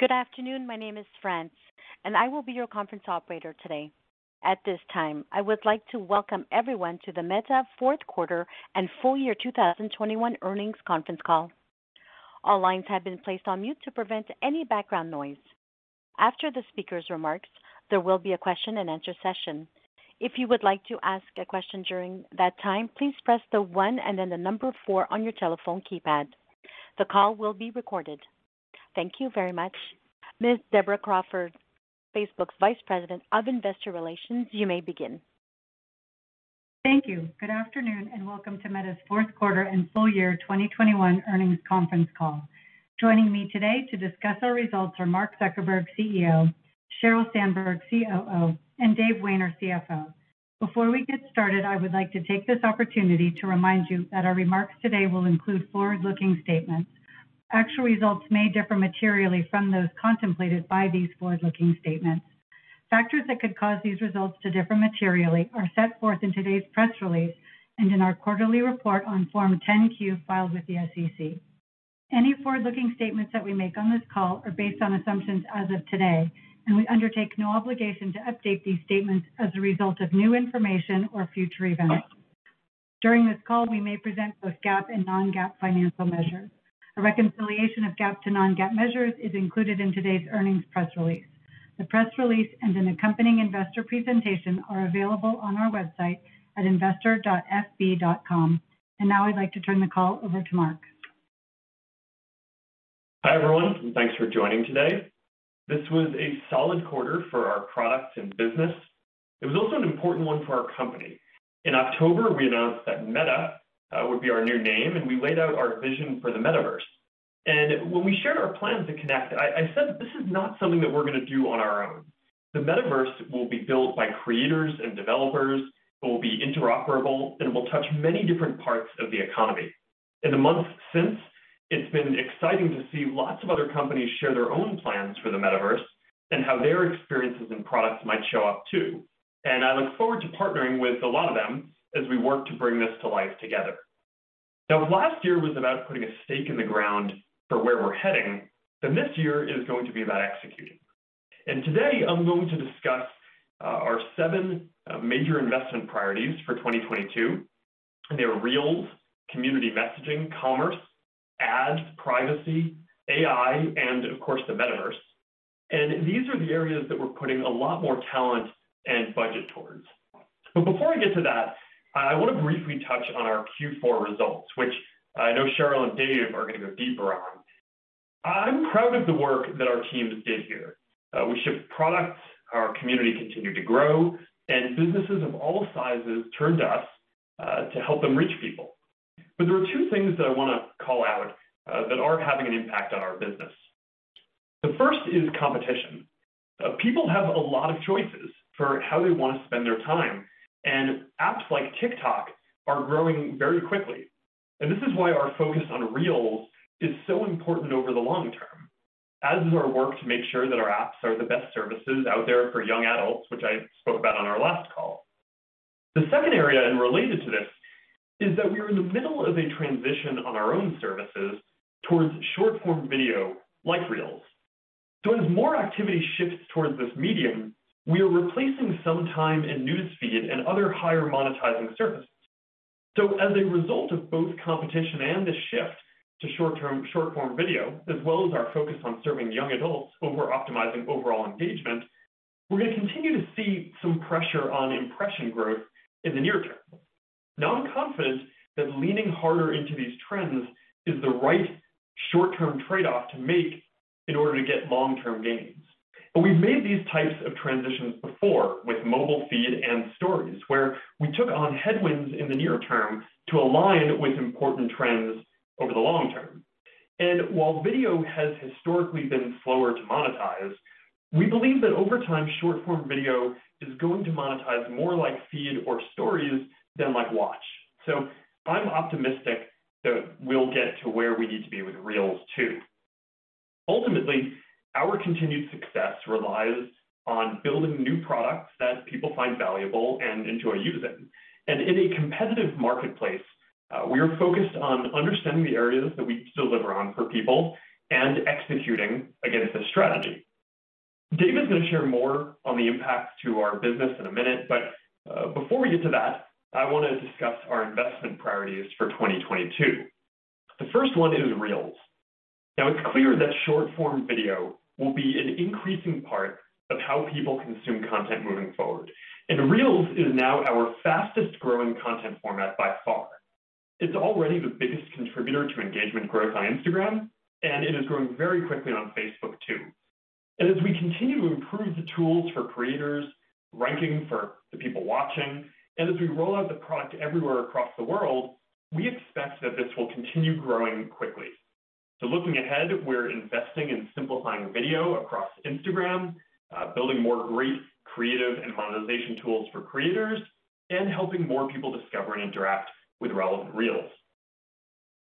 Good afternoon. My name is France, and I will be your conference operator today. At this time, I would like to welcome everyone to the Meta Fourth Quarter and Full Year 2021 Earnings Conference Call. All lines have been placed on mute to prevent any background noise. After the speaker's remarks, there will be a question and answer session. If you would like to ask a question during that time, please press the one and then the number four on your telephone keypad. The call will be recorded. Thank you very much. Miss Deborah Crawford, Facebook's Vice President of Investor Relations, you may begin. Thank you. Good afternoon, and welcome to Meta's Fourth Quarter and Full Year 2021 Earnings Conference Call. Joining me today to discuss our results are Mark Zuckerberg, CEO; Sheryl Sandberg, COO, and Dave Wehner, CFO. Before we get started, I would like to take this opportunity to remind you that our remarks today will include forward-looking statements. Actual results may differ materially from those contemplated by these forward-looking statements. Factors that could cause these results to differ materially are set forth in today's press release and in our quarterly report on Form 10-Q filed with the SEC. Any forward-looking statements that we make on this call are based on assumptions as of today, and we undertake no obligation to update these statements as a result of new information or future events. During this call, we may present both GAAP and non-GAAP financial measures. A reconciliation of GAAP to non-GAAP measures is included in today's earnings press release. The press release and an accompanying investor presentation are available on our website at investor.fb.com. Now I'd like to turn the call over to Mark. Hi, everyone, and thanks for joining today. This was a solid quarter for our products and business. It was also an important one for our company. In October, we announced that Meta would be our new name, and we laid out our vision for the Metaverse. When we shared our plans at Connect, I said this is not something that we're gonna do on our own. The Metaverse will be built by creators and developers, it will be interoperable, and it will touch many different parts of the economy. In the months since, it's been exciting to see lots of other companies share their own plans for the Metaverse and how their experiences and products might show up too. I look forward to partnering with a lot of them as we work to bring this to life together. Now, if last year was about putting a stake in the ground for where we're heading, then this year is going to be about executing. Today I'm going to discuss our seven major investment priorities for 2022. They are Reels, community messaging, commerce, ads, privacy, AI, and of course the Metaverse. These are the areas that we're putting a lot more talent and budget towards. Before I get to that, I wanna briefly touch on our Q4 results, which I know Sheryl and Dave are gonna go deeper on. I'm proud of the work that our teams did here. We shipped products, our community continued to grow, and businesses of all sizes turned to us to help them reach people. There are two things that I wanna call out that are having an impact on our business. The first is competition. People have a lot of choices for how they wanna spend their time, and apps like TikTok are growing very quickly. This is why our focus on Reels is so important over the long term, as is our work to make sure that our apps are the best services out there for young adults, which I spoke about on our last call. The second area, and related to this, is that we're in the middle of a transition on our own services towards short-form video, like Reels. As more activity shifts towards this medium, we are replacing some time in News Feed and other higher-monetizing services. As a result of both competition and the shift to short-form video, as well as our focus on serving young adults over optimizing overall engagement, we're gonna continue to see some pressure on impression growth in the near term. Now I'm confident that leaning harder into these trends is the right short-term trade-off to make in order to get long-term gains. We've made these types of transitions before with Mobile Feed and Stories, where we took on headwinds in the near term to align with important trends over the long term. While video has historically been slower to monetize, we believe that over time, short-form video is going to monetize more like Feed or Stories than like Watch. I'm optimistic that we'll get to where we need to be with Reels too. Ultimately, our continued success relies on building new products that people find valuable and enjoy using. In a competitive marketplace, we are focused on understanding the areas that we still deliver on for people and executing against this strategy. Dave is gonna share more on the impact to our business in a minute, but, before we get to that, I wanna discuss our investment priorities for 2022. The first one is Reels. Now it's clear that short-form video will be an increasing part of how people consume content moving forward, and Reels is now our fastest-growing content format by far. It's already the biggest contributor to engagement growth on Instagram, and it is growing very quickly on Facebook too. As we continue to improve the tools for creators, ranking for the people watching, and as we roll out the product everywhere across the world, we expect that this will continue growing quickly. Looking ahead, we're investing in simplifying video across Instagram, building more great creative and monetization tools for creators, and helping more people discover and interact with relevant Reels.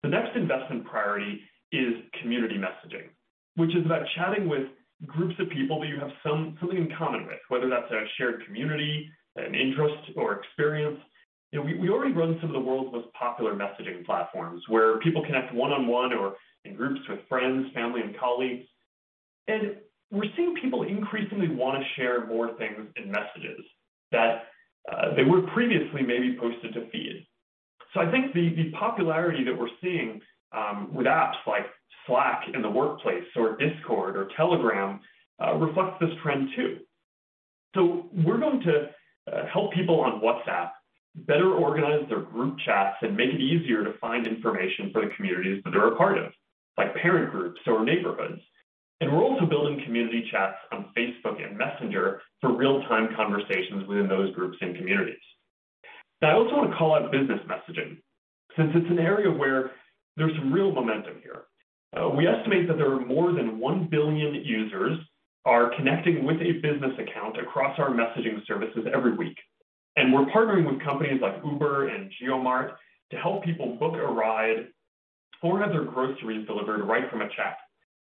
The next investment priority is community messaging, which is about chatting with groups of people that you have something in common with, whether that's a shared community, an interest or experience. You know, we already run some of the world's most popular messaging platforms where people connect one-on-one or in groups with friends, family and colleagues. We're seeing people increasingly wanna share more things in messages that, they would previously maybe posted to Feed. I think the popularity that we're seeing with apps like Slack in the workplace or Discord or Telegram reflects this trend too. We're going to help people on WhatsApp better organize their group chats and make it easier to find information for the communities that they're a part of, like parent groups or neighborhoods. We're also building community chats on Facebook and Messenger for real-time conversations within those groups and communities. Now, I also want to call out business messaging since it's an area where there's some real momentum here. We estimate that there are more than 1 billion users connecting with a business account across our messaging services every week. We're partnering with companies like Uber and JioMart to help people book a ride or have their groceries delivered right from a chat.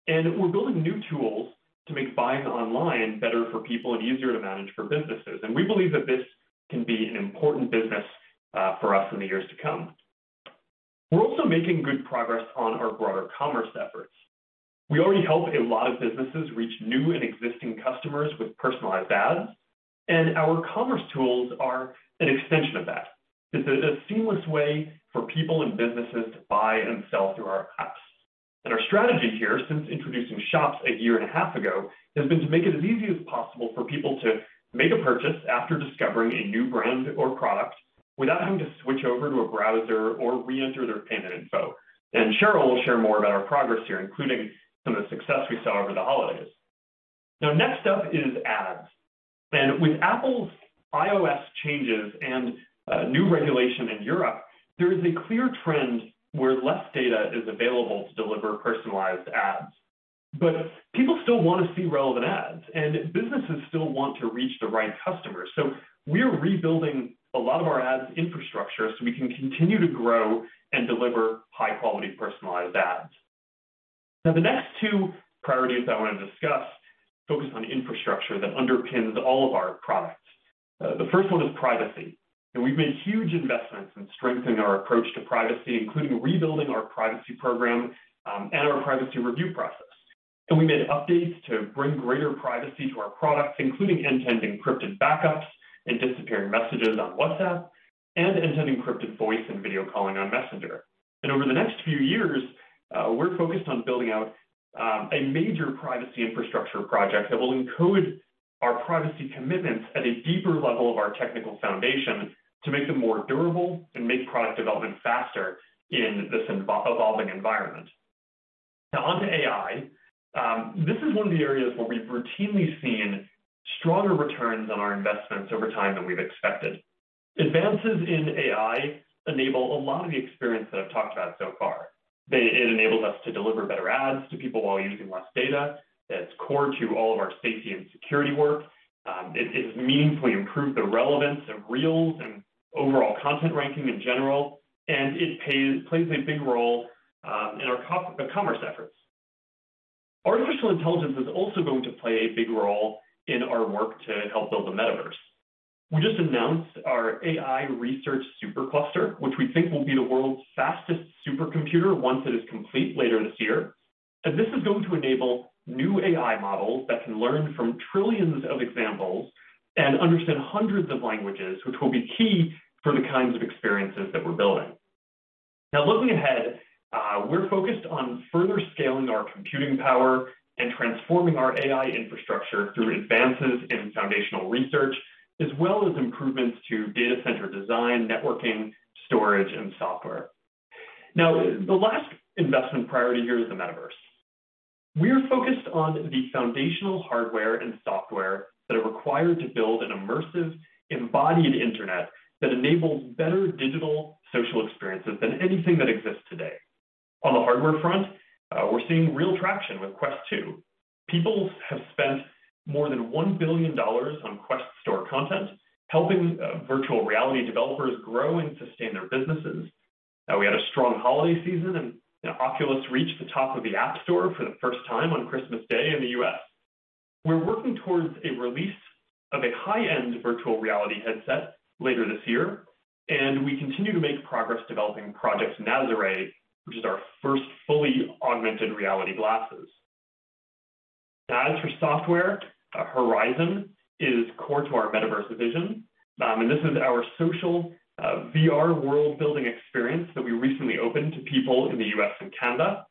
We're building new tools to make buying online better for people and easier to manage for businesses. We believe that this can be an important business for us in the years to come. We're also making good progress on our broader commerce efforts. We already help a lot of businesses reach new and existing customers with personalized ads, and our commerce tools are an extension of that. It's a seamless way for people and businesses to buy and sell through our apps. Our strategy here, since introducing shops a year and a half ago, has been to make it as easy as possible for people to make a purchase after discovering a new brand or product without having to switch over to a browser or reenter their payment info. Sheryl will share more about our progress here, including some of the success we saw over the holidays. Next up is ads. With Apple's iOS changes and new regulation in Europe, there is a clear trend where less data is available to deliver personalized ads. People still want to see relevant ads, and businesses still want to reach the right customers. We're rebuilding a lot of our ads infrastructure so we can continue to grow and deliver high-quality personalized ads. Now, the next two priorities I want to discuss focus on infrastructure that underpins all of our products. The first one is privacy. We've made huge investments in strengthening our approach to privacy, including rebuilding our privacy program and our privacy review process. We made updates to bring greater privacy to our products, including end-to-end encrypted backups and disappearing messages on WhatsApp and end-to-end encrypted voice and video calling on Messenger. Over the next few years, we're focused on building out a major privacy infrastructure project that will encode our privacy commitments at a deeper level of our technical foundation to make them more durable and make product development faster in this evolving environment. Now on to AI. This is one of the areas where we've routinely seen stronger returns on our investments over time than we've expected. Advances in AI enable a lot of the experience that I've talked about so far. It enables us to deliver better ads to people while using less data. It's core to all of our safety and security work. It has meaningfully improved the relevance of Reels and overall content ranking in general, and it plays a big role in our commerce efforts. Artificial intelligence is also going to play a big role in our work to help build the Metaverse. We just announced our AI Research SuperCluster, which we think will be the world's fastest supercomputer once it is complete later this year. This is going to enable new AI models that can learn from trillions of examples and understand hundreds of languages, which will be key for the kinds of experiences that we're building. Now, looking ahead, we're focused on further scaling our computing power and transforming our AI infrastructure through advances in foundational research as well as improvements to data center design, networking, storage, and software. Now, the last investment priority here is the Metaverse. We're focused on the foundational hardware and software that are required to build an immersive, embodied internet that enables better digital social experiences than anything that exists today. On the hardware front, we're seeing real traction with Quest 2. People have spent more than $1 billion on Quest Store content, helping virtual reality developers grow and sustain their businesses. We had a strong holiday season, and Oculus reached the top of the App Store for the first time on Christmas Day in the U.S. We're working towards a release of a high-end virtual reality headset later this year, and we continue to make progress developing Project Nazare, which is our first fully augmented reality glasses. As for software, Horizon is core to our Metaverse vision. This is our social VR world-building experience that we recently opened to people in the U.S. and Canada.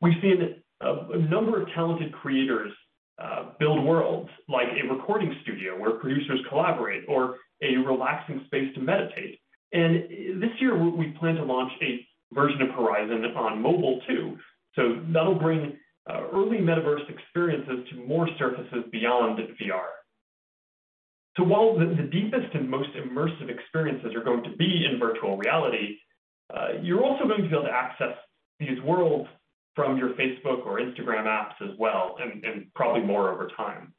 We've seen a number of talented creators build worlds like a recording studio where producers collaborate or a relaxing space to meditate. This year, we plan to launch a version of Horizon on mobile too. That'll bring early Metaverse experiences to more surfaces beyond VR. While the deepest and most immersive experiences are going to be in virtual reality, you're also going to be able to access these worlds from your Facebook or Instagram apps as well, and probably more over time.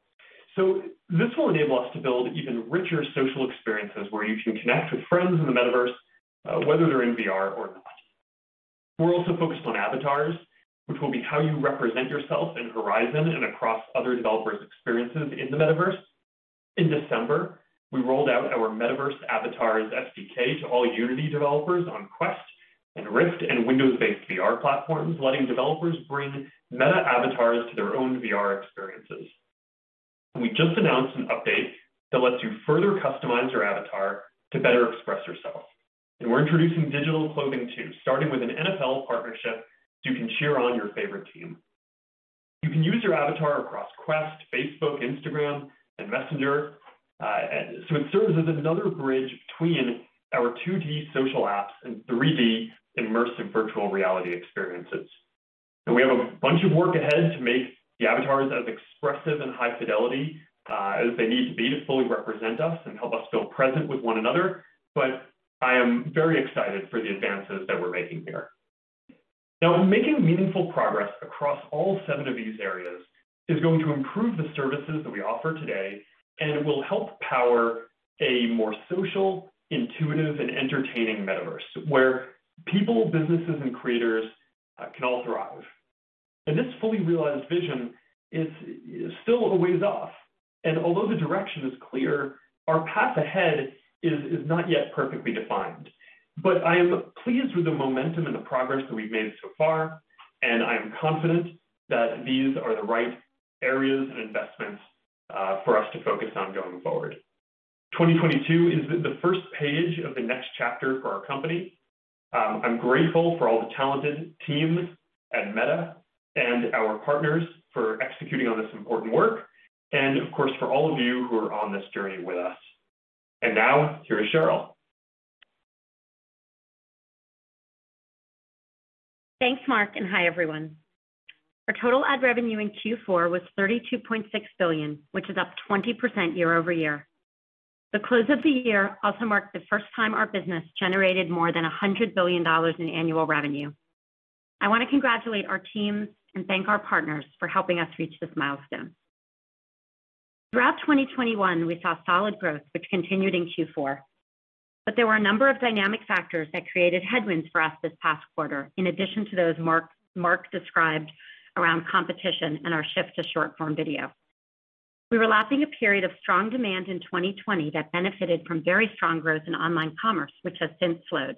This will enable us to build even richer social experiences where you can connect with friends in the Metaverse, whether they're in VR or not. We're also focused on avatars, which will be how you represent yourself in Horizon and across other developers' experiences in the Metaverse. In December, we rolled out our Metaverse avatars SDK to all Unity developers on Quest and Rift and Windows-based VR platforms, letting developers bring Meta avatars to their own VR experiences. We just announced an update that lets you further customize your avatar to better express yourself. We're introducing digital clothing too, starting with an NFL partnership, so you can cheer on your favorite team. You can use your avatar across Quest, Facebook, Instagram, and Messenger. It serves as another bridge between our 2D social apps and 3D immersive virtual reality experiences. We have a bunch of work ahead to make the avatars as expressive and high fidelity as they need to be to fully represent us and help us feel present with one another. I am very excited for the advances that we're making here. Now, making meaningful progress across all seven of these areas is going to improve the services that we offer today and will help power a more social, intuitive, and entertaining Metaverse where people, businesses, and creators can all thrive. This fully realized vision is still a ways off. Although the direction is clear, our path ahead is not yet perfectly defined. I am pleased with the momentum and the progress that we've made so far, and I am confident that these are the right areas and investments for us to focus on going forward. 2022 is the first page of the next chapter for our company. I'm grateful for all the talented teams at Meta and our partners for executing on this important work, and of course, for all of you who are on this journey with us. Now, here is Sheryl. Thanks, Mark, and hi, everyone. Our total ad revenue in Q4 was $32.6 billion, which is up 20% year-over-year. The close of the year also marked the first time our business generated more than $100 billion in annual revenue. I wanna congratulate our teams and thank our partners for helping us reach this milestone. Throughout 2021, we saw solid growth, which continued in Q4. There were a number of dynamic factors that created headwinds for us this past quarter, in addition to those Mark described around competition and our shift to short-form video. We were lapping a period of strong demand in 2020 that benefited from very strong growth in online commerce, which has since slowed.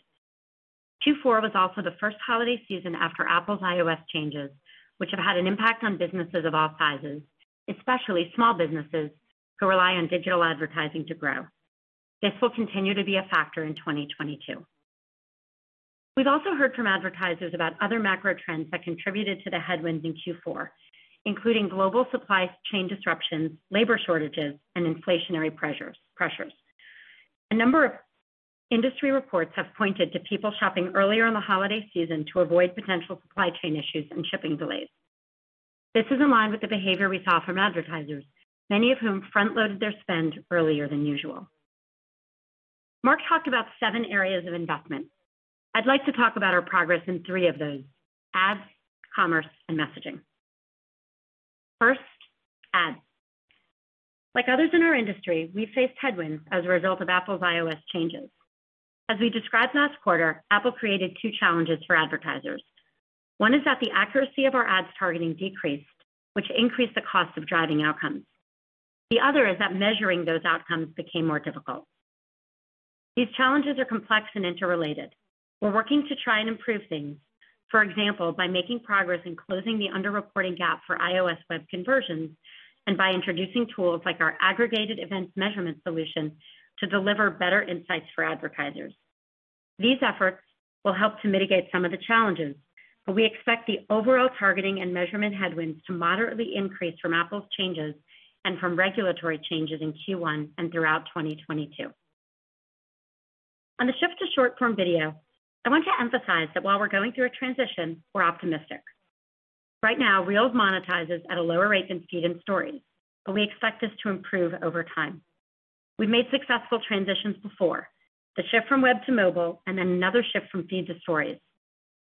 Q4 was also the first holiday season after Apple's iOS changes, which have had an impact on businesses of all sizes, especially small businesses who rely on digital advertising to grow. This will continue to be a factor in 2022. We've also heard from advertisers about other macro trends that contributed to the headwinds in Q4, including global supply chain disruptions, labor shortages, and inflationary pressures. A number of industry reports have pointed to people shopping earlier in the holiday season to avoid potential supply chain issues and shipping delays. This is in line with the behavior we saw from advertisers, many of whom front-loaded their spend earlier than usual. Mark talked about seven areas of investment. I'd like to talk about our progress in three of those: ads, commerce, and messaging. First, ads. Like others in our industry, we faced headwinds as a result of Apple's iOS changes. As we described last quarter, Apple created two challenges for advertisers. One is that the accuracy of our ads targeting decreased, which increased the cost of driving outcomes. The other is that measuring those outcomes became more difficult. These challenges are complex and interrelated. We're working to try and improve things, for example, by making progress in closing the under-reporting gap for iOS web conversions and by introducing tools like our Aggregated Events Measurement solution to deliver better insights for advertisers. These efforts will help to mitigate some of the challenges, but we expect the overall targeting and measurement headwinds to moderately increase from Apple's changes and from regulatory changes in Q1 and throughout 2022. On the shift to short-form video, I want to emphasize that while we're going through a transition, we're optimistic. Right now, Reels monetizes at a lower rate than Feed and Stories, but we expect this to improve over time. We've made successful transitions before, the shift from web to mobile, and then another shift from Feed to Stories.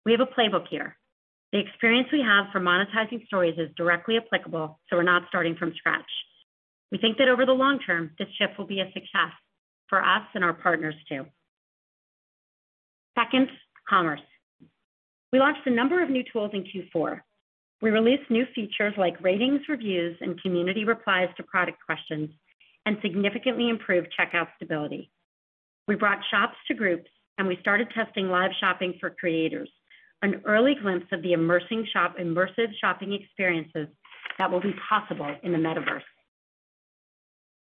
We have a playbook here. The experience we have for monetizing Stories is directly applicable, so we're not starting from scratch. We think that over the long term, this shift will be a success for us and our partners too. Second, commerce. We launched a number of new tools in Q4. We released new features like ratings, reviews, and community replies to product questions and significantly improved checkout stability. We brought shops to groups, and we started testing live shopping for creators, an early glimpse of the immersive shopping experiences that will be possible in the Metaverse.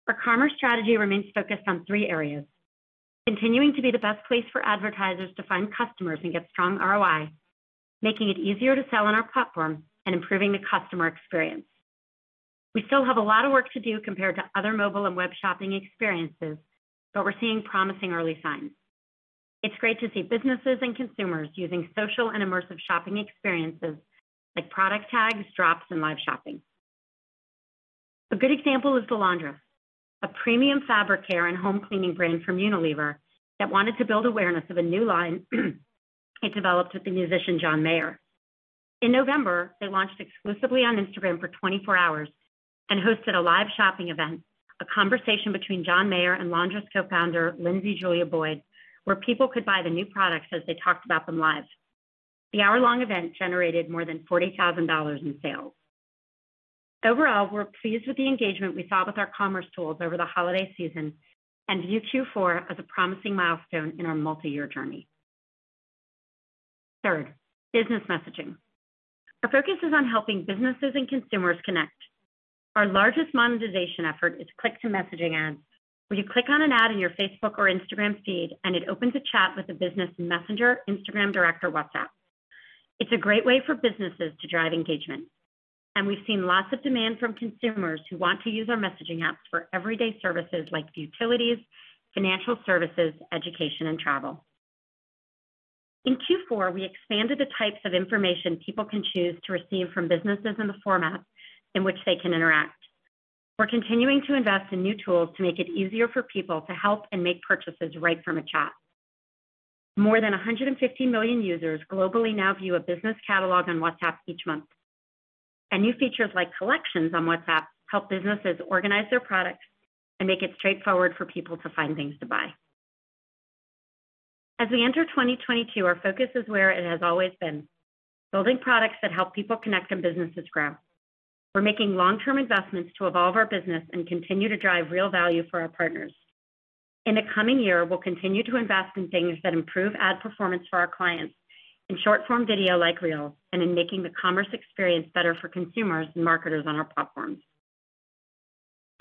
Our commerce strategy remains focused on three areas: continuing to be the best place for advertisers to find customers and get strong ROI, making it easier to sell on our platform, and improving the customer experience. We still have a lot of work to do compared to other mobile and web shopping experiences, but we're seeing promising early signs. It's great to see businesses and consumers using social and immersive shopping experiences like product tags, drops, and live shopping. A good example is The Laundress, a premium fabric care and home cleaning brand from Unilever that wanted to build awareness of a new line it developed with the musician John Mayer. In November, they launched exclusively on Instagram for 24 hours and hosted a live shopping event, a conversation between John Mayer and Laundress co-founder Lindsey Boyd, where people could buy the new products as they talked about them live. The hour-long event generated more than $40,000 in sales. Overall, we're pleased with the engagement we saw with our commerce tools over the holiday season and view Q4 as a promising milestone in our multi-year journey. Third, business messaging. Our focus is on helping businesses and consumers connect. Our largest monetization effort is click-to-messaging ads, where you click on an ad in your Facebook or Instagram feed, and it opens a chat with the business Messenger, Instagram Direct, or WhatsApp. It's a great way for businesses to drive engagement, and we've seen lots of demand from consumers who want to use our messaging apps for everyday services like utilities, financial services, education, and travel. In Q4, we expanded the types of information people can choose to receive from businesses in the format in which they can interact. We're continuing to invest in new tools to make it easier for people to help and make purchases right from a chat. More than 150 million users globally now view a business catalog on WhatsApp each month. New features like collections on WhatsApp help businesses organize their products and make it straightforward for people to find things to buy. As we enter 2022, our focus is where it has always been, building products that help people connect and businesses grow. We're making long-term investments to evolve our business and continue to drive real value for our partners. In the coming year, we'll continue to invest in things that improve ad performance for our clients in short-form video like Reels, and in making the commerce experience better for consumers and marketers on our platforms.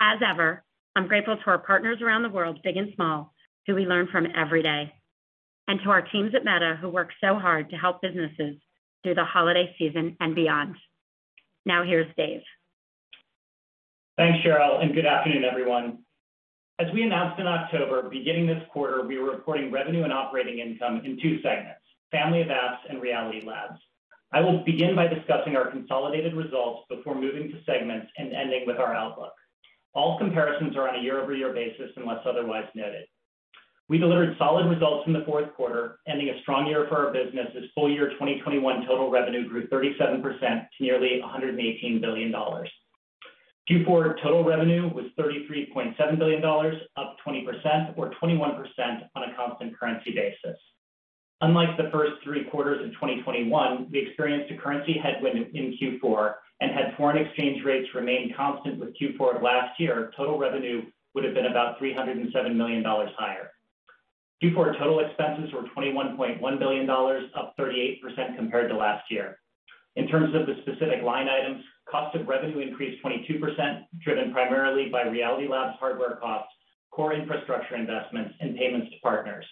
As ever, I'm grateful to our partners around the world, big and small, who we learn from every day, and to our teams at Meta who work so hard to help businesses through the holiday season and beyond. Now here's Dave. Thanks, Sheryl, and good afternoon, everyone. As we announced in October, beginning this quarter, we were reporting revenue and operating income in two segments: Family of Apps and Reality Labs. I will begin by discussing our consolidated results before moving to segments and ending with our outlook. All comparisons are on a year-over-year basis unless otherwise noted. We delivered solid results in the fourth quarter, ending a strong year for our business as full-year 2021 total revenue grew 37% to nearly $118 billion. Q4 total revenue was $33.7 billion, up 20% or 21% on a constant currency basis. Unlike the first three quarters of 2021, we experienced a currency headwind in Q4, and had foreign exchange rates remained constant with Q4 of last year, total revenue would have been about $307 million higher. Q4 total expenses were $21.1 billion, up 38% compared to last year. In terms of the specific line items, cost of revenue increased 22%, driven primarily by Reality Labs hardware costs, core infrastructure investments, and payments to partners.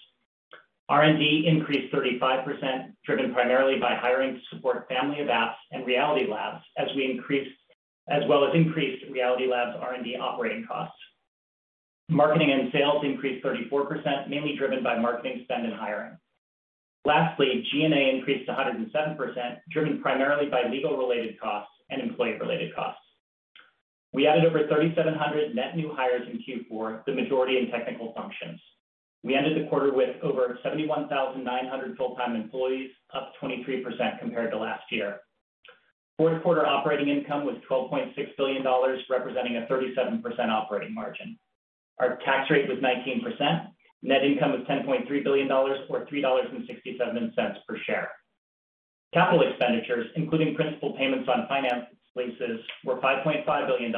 R&D increased 35%, driven primarily by hiring to support Family of Apps and Reality Labs as well as increased Reality Labs R&D operating costs. Marketing and sales increased 34%, mainly driven by marketing spend and hiring. Lastly, G&A increased 107%, driven primarily by legal-related costs and employee-related costs. We added over 3,700 net new hires in Q4, the majority in technical functions. We ended the quarter with over 71,900 full-time employees, up 23% compared to last year. Fourth quarter operating income was $12.6 billion, representing a 37% operating margin. Our tax rate was 19%. Net income was $10.3 billion or $3.67 per share. Capital expenditures, including principal payments on finance leases, were $5.5 billion,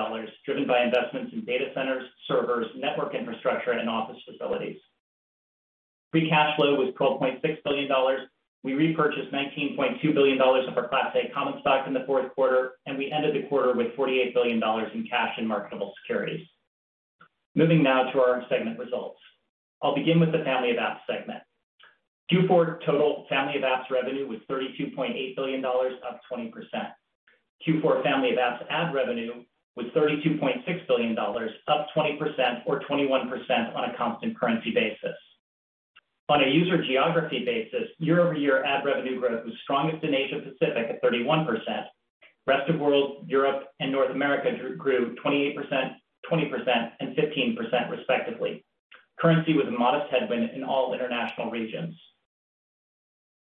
driven by investments in data centers, servers, network infrastructure, and office facilities. Free cash flow was $12.6 billion. We repurchased $19.2 billion of our Class A common stock in the fourth quarter, and we ended the quarter with $48 billion in cash and marketable securities. Moving now to our segment results. I'll begin with the Family of Apps segment. Q4 total Family of Apps revenue was $32.8 billion, up 20%. Q4 Family of Apps ad revenue was $32.6 billion, up 20% or 21% on a constant currency basis. On a user geography basis, year-over-year ad revenue growth was strongest in Asia-Pacific at 31%. Rest of World, Europe, and North America grew 28%, 20%, and 15% respectively. Currency was a modest headwind in all international regions.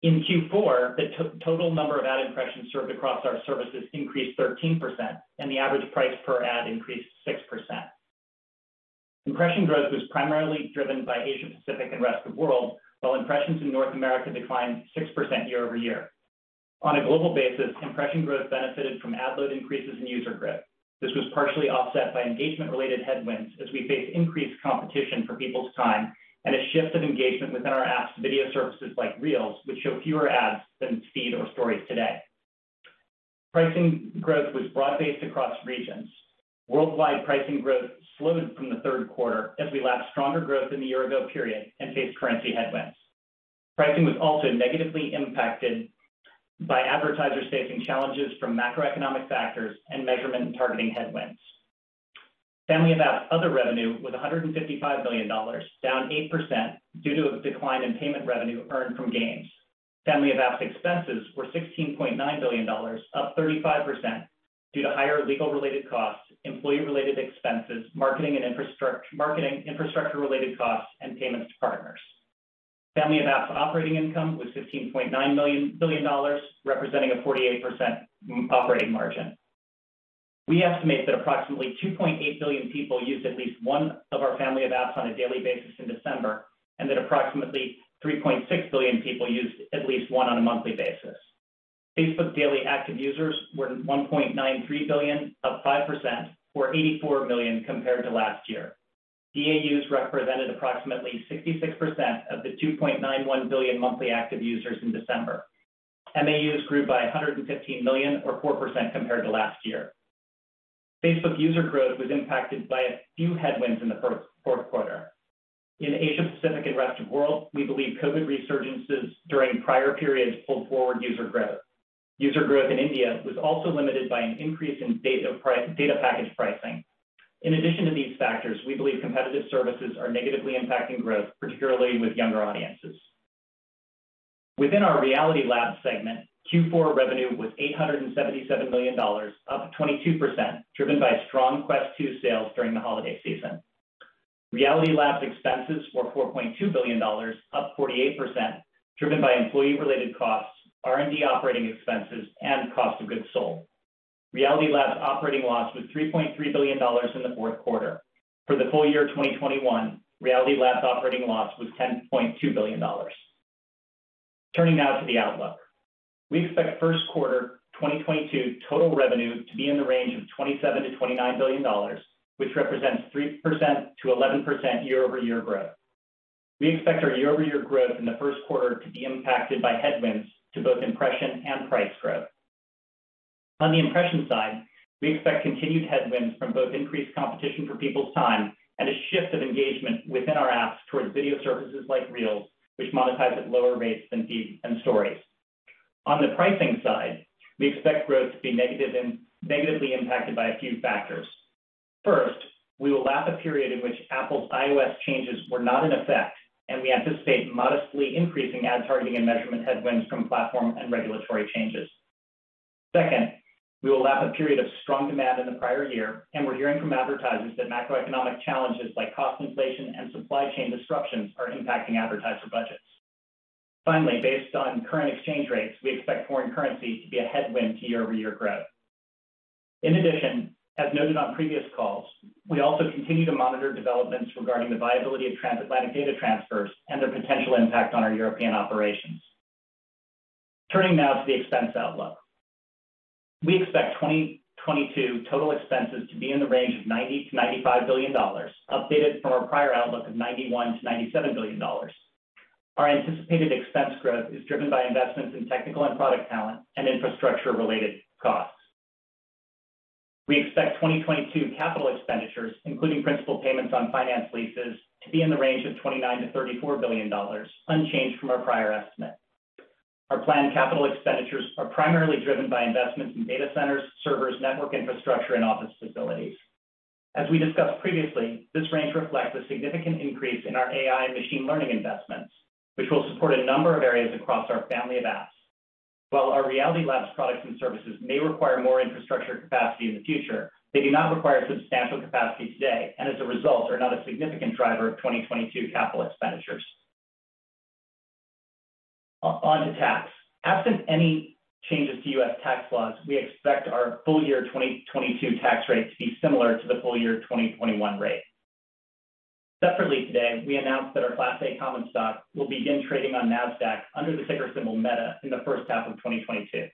In Q4, the total number of ad impressions served across our services increased 13%, and the average price per ad increased 6%. Impression growth was primarily driven by Asia-Pacific and Rest of World, while impressions in North America declined 6% year over year. On a global basis, impression growth benefited from ad load increases and user growth. This was partially offset by engagement-related headwinds as we faced increased competition for people's time and a shift of engagement within our apps to video services like Reels, which show fewer ads than Feed or Stories today. Pricing growth was broad-based across regions. Worldwide pricing growth slowed from the third quarter as we lapped stronger growth in the year-ago period and faced currency headwinds. Pricing was also negatively impacted by advertisers facing challenges from macroeconomic factors and measurement and targeting headwinds. Family of Apps other revenue was $155 million, down 8% due to a decline in payment revenue earned from gaming. Family of Apps expenses were $16.9 billion, up 35% due to higher legal-related costs, employee-related expenses, marketing infrastructure-related costs, and payments to partners. Family of Apps operating income was $15.9 billion, representing a 48% operating margin. We estimate that approximately 2.8 billion people used at least one of our Family of Apps on a daily basis in December, and that approximately 3.6 billion people used at least one on a monthly basis. Facebook daily active users were 1.93 billion, up 5% or 84 million compared to last year. DAUs represented approximately 66% of the 2.91 billion monthly active users in December. MAUs grew by 115 million or 4% compared to last year. Facebook user growth was impacted by a few headwinds in the fourth quarter. In Asia Pacific and Rest of World, we believe COVID resurgences during prior periods pulled forward user growth. User growth in India was also limited by an increase in data package pricing. In addition to these factors, we believe competitive services are negatively impacting growth, particularly with younger audiences. Within our Reality Labs segment, Q4 revenue was $877 million, up 22%, driven by strong Quest 2 sales during the holiday season. Reality Labs expenses were $4.2 billion, up 48%, driven by employee-related costs, R&D operating expenses, and cost of goods sold. Reality Labs' operating loss was $3.3 billion in the fourth quarter. For the full year 2021, Reality Labs' operating loss was $10.2 billion. Turning now to the outlook. We expect first quarter 2022 total revenue to be in the range of $27 billion-$29 billion, which represents 3% to 11% year-over-year growth. We expect our year-over-year growth in the first quarter to be impacted by headwinds to both impression and price growth. On the impression side, we expect continued headwinds from both increased competition for people's time and a shift of engagement within our apps towards video services like Reels, which monetize at lower ratesthan Feed and Stories. On the pricing side, we expect growth to be negatively impacted by a few factors. First, we will lap a period in which Apple's iOS changes were not in effect, and we anticipate modestly increasing ad targeting and measurement headwinds from platform and regulatory changes. Second, we will lap a period of strong demand in the prior year, and we're hearing from advertisers that macroeconomic challenges like cost inflation and supply chain disruptions are impacting advertiser budgets. Finally, based on current exchange rates, we expect foreign currency to be a headwind to year-over-year growth. In addition, as noted on previous calls, we also continue to monitor developments regarding the viability of transatlantic data transfers and their potential impact on our European operations. Turning now to the expense outlook. We expect 2022 total expenses to be in the range of $90 billion-$95 billion, updated from our prior outlook of $91 billion-$97 billion. Our anticipated expense growth is driven by investments in technical and product talent and infrastructure-related costs. We expect 2022 capital expenditures, including principal payments on finance leases, to be in the range of $29 billion-$34 billion, unchanged from our prior estimate. Our planned capital expenditures are primarily driven by investments in data centers, servers, network infrastructure, and office facilities. As we discussed previously, this range reflects a significant increase in our AI and machine learning investments, which will support a number of areas across our Family of Apps. While our Reality Labs products and services may require more infrastructure capacity in the future, they do not require substantial capacity today, and as a result, are not a significant driver of 2022 capital expenditures. On to tax. Absent any changes to U.S. tax laws, we expect our full year 2022 tax rate to be similar to the full year 2021 rate. Separately today, we announced that our class A common stock will begin trading on Nasdaq under the ticker symbol META in the first half of 2022.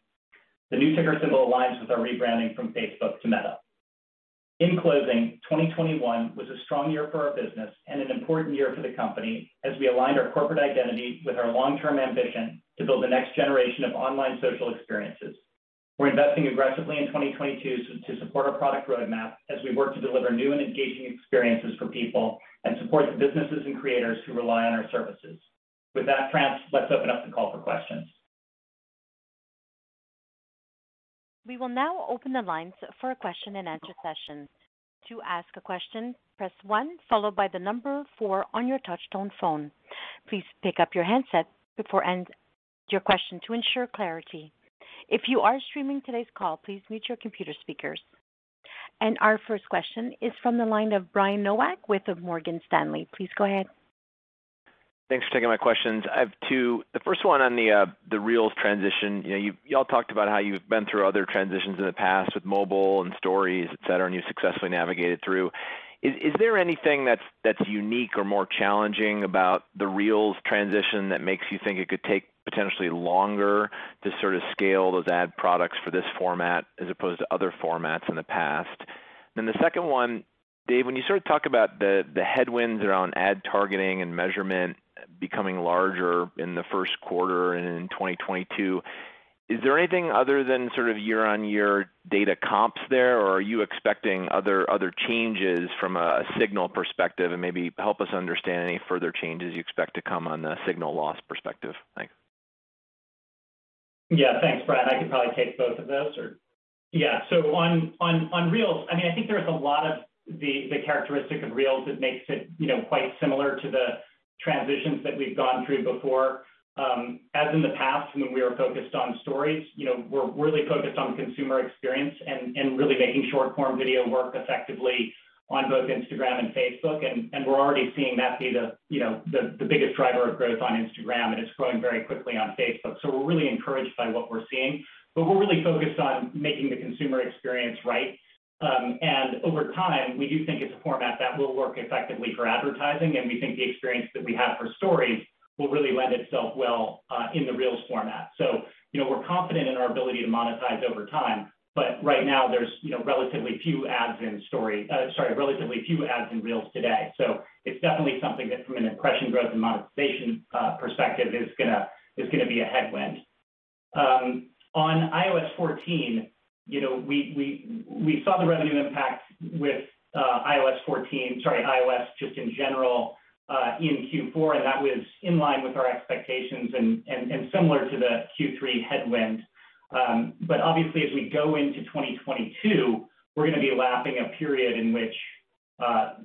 The new ticker symbol aligns with our rebranding from Facebook to Meta. In closing, 2021 was a strong year for our business and an important year for the company as we aligned our corporate identity with our long-term ambition to build the next generation of online social experiences. We're investing aggressively in 2022 to support our product roadmap as we work to deliver new and engaging experiences for people and support the businesses and creators who rely on our services. With that, France, let's open up the call for questions. We will now open the lines for a question and answer session. To ask a question, press star one on your touch tone phone. Please pick up your handset before stating your question to ensure clarity. If you are streaming today's call, please mute your computer speakers. Our first question is from the line of Brian Nowak with Morgan Stanley. Please go ahead. Thanks for taking my questions. I have two. The first one on the Reels transition. You know, y'all talked about how you've been through other transitions in the past with mobile and Stories, et cetera, and you successfully navigated through. Is there anything that's unique or more challenging about the Reels transition that makes you think it could take potentially longer to sort of scale those ad products for this format as opposed to other formats in the past? The second one, Dave, when you sort of talk about the headwinds around ad targeting and measurement becoming larger in the first quarter and in 2022, is there anything other than sort of year-on-year data comps there, or are you expecting other changes from a signal perspective? Maybe help us understand any further changes you expect to come on the signal loss perspective? Thanks. Yeah. Thanks, Brian. I can probably take both of those, or. Yeah. On Reels, I mean, I think there's a lot of the characteristic of Reels that makes it, you know, quite similar to the transitions that we've gone through before. As in the past when we were focused on Stories, you know, we're really focused on consumer experience and really making short-form video work effectively on both Instagram and Facebook. We're already seeing that be the, you know, the biggest driver of growth on Instagram, and it's growing very quickly on Facebook. We're really encouraged by what we're seeing. We're really focused on making the consumer experience right. Over time, we do think it's a format that will work effectively for advertising, and we think the experience that we have for Stories will really lend itself well in the Reels format. You know, we're confident in our ability to monetize over time, but right now there's you know, relatively few ads in Reels today. It's definitely something that from an impression growth and monetization perspective is gonna be a headwind. On iOS 14, you know, we saw the revenue impact with iOS just in general in Q4, and that was in line with our expectations and similar to the Q3 headwind. But obviously, as we go into 2022, we're gonna be lapping a period in which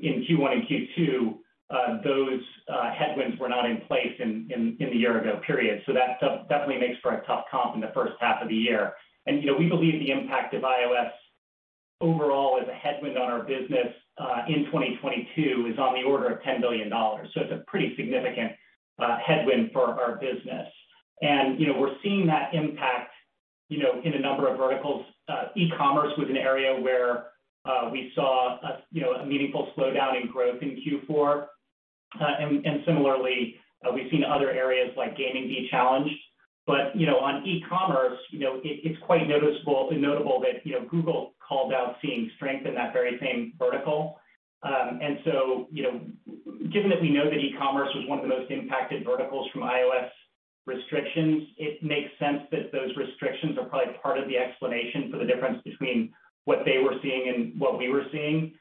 in Q1 and Q2 those headwinds were not in place in the year-ago period. That definitely makes for a tough comp in the first half of the year. You know, we believe the impact of iOS overall as a headwind on our business in 2022 is on the order of $10 billion. It's a pretty significant headwind for our business. You know, we're seeing that impact, you know, in a number of verticals. E-commerce was an area where we saw, you know, a meaningful slowdown in growth in Q4. Similarly, we've seen other areas like gaming be challenged. You know, on e-commerce, you know, it's quite noticeable and notable that, you know, Google called out seeing strength in that very same vertical. You know, given that we know that e-commerce was one of the most impacted verticals from iOS restrictions, it makes sense that those restrictions are probably part of the explanation for the difference between what they were seeing and what we were seeing.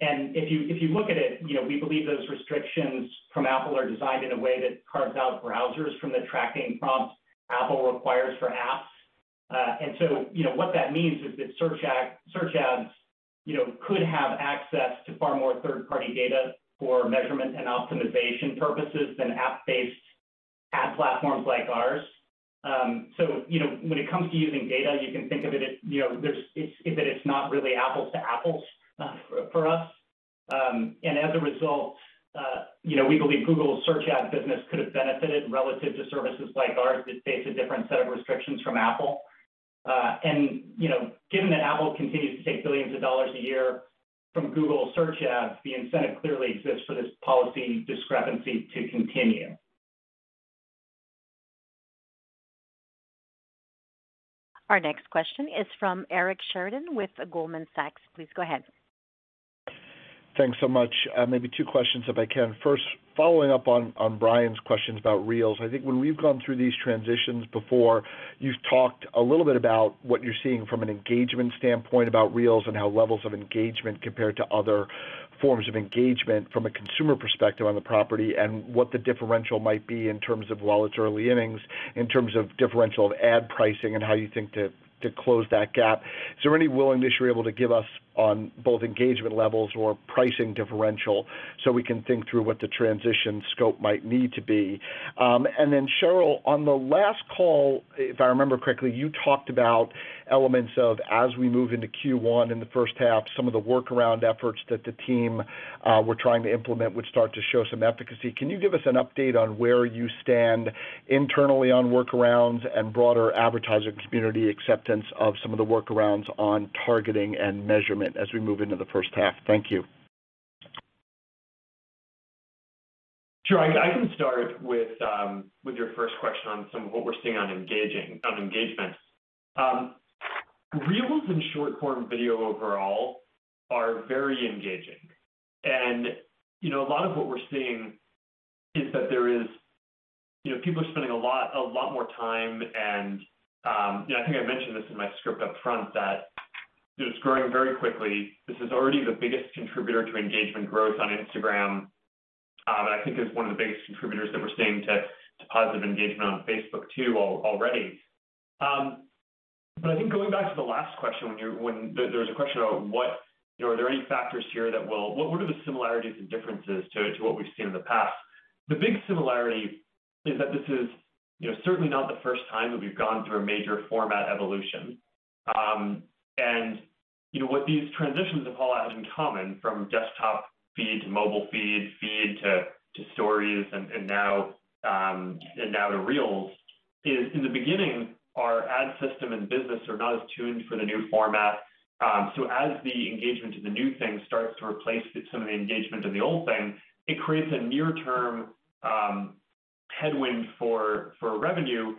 If you look at it, you know, we believe those restrictions from Apple are designed in a way that carves out browsers from the tracking prompts Apple requires for apps. You know, what that means is that search ads, you know, could have access to far more third-party data for measurement and optimization purposes than app-based ad platforms like ours. You know, when it comes to using data, you can think of it, you know, that it's not really apples to apples for us. As a result, you know, we believe Google's search ad business could have benefited relative to services like ours that face a different set of restrictions from Apple. You know, given that Apple continues to take $ billions a year from Google Search Ads, the incentive clearly exists for this policy discrepancy to continue. Our next question is from Eric Sheridan with Goldman Sachs. Please go ahead. Thanks so much. Maybe two questions if I can. First, following up on Brian's questions about Reels, I think when we've gone through these transitions before, you've talked a little bit about what you're seeing from an engagement standpoint about Reels and how levels of engagement compare to other forms of engagement from a consumer perspective on the property and what the differential might be in terms of, well, it's early innings, in terms of differential of ad pricing and how you think to close that gap. Is there any willingness you're able to give us on both engagement levels or pricing differential so we can think through what the transition scope might need to be? Sheryl, on the last call, if I remember correctly, you talked about elements of as we move into Q1 in the first half, some of the workaround efforts that the team were trying to implement would start to show some efficacy. Can you give us an update on where you stand internally on workarounds and broader advertiser community acceptance of some of the workarounds on targeting and measurement as we move into the first half? Thank you. Sure. I can start with your first question on some of what we're seeing on engagement. Reels and short-form video overall are very engaging. You know, a lot of what we're seeing is that there is, you know, people are spending a lot more time and, you know, I think I mentioned this in my script up front that it's growing very quickly. This is already the biggest contributor to engagement growth on Instagram. I think it's one of the biggest contributors that we're seeing to positive engagement on Facebook too already. I think going back to the last question, when there was a question about what, you know, are there any factors here that will. What are the similarities and differences to what we've seen in the past? The big similarity is that this is, you know, certainly not the first time that we've gone through a major format evolution. You know, what these transitions have all had in common, from desktop Feed to mobile Feed to Stories and now to Reels, is in the beginning, our ad system and business are not as tuned for the new format. As the engagement to the new thing starts to replace some of the engagement in the old thing, it creates a near-term headwind for revenue.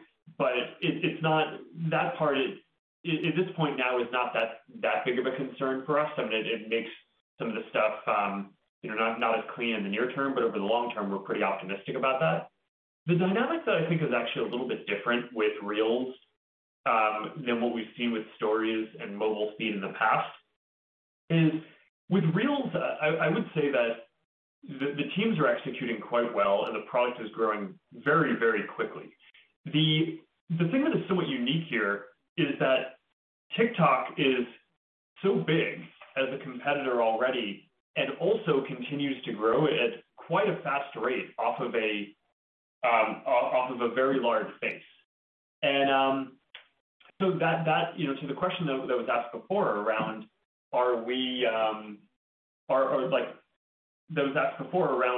It's not. That part at this point now is not that big of a concern for us. I mean, it makes some of the stuff, you know, not as clean in the near term, but over the long term, we're pretty optimistic about that. The dynamic that I think is actually a little bit different with Reels than what we've seen with Stories and mobile Feed in the past. Is with Reels. I would say that the teams are executing quite well and the product is growing very, very quickly. The thing that is somewhat unique here is that TikTok is so big as a competitor already, and also continues to grow at quite a fast rate off of a very large base. You know, to the question that was asked before around,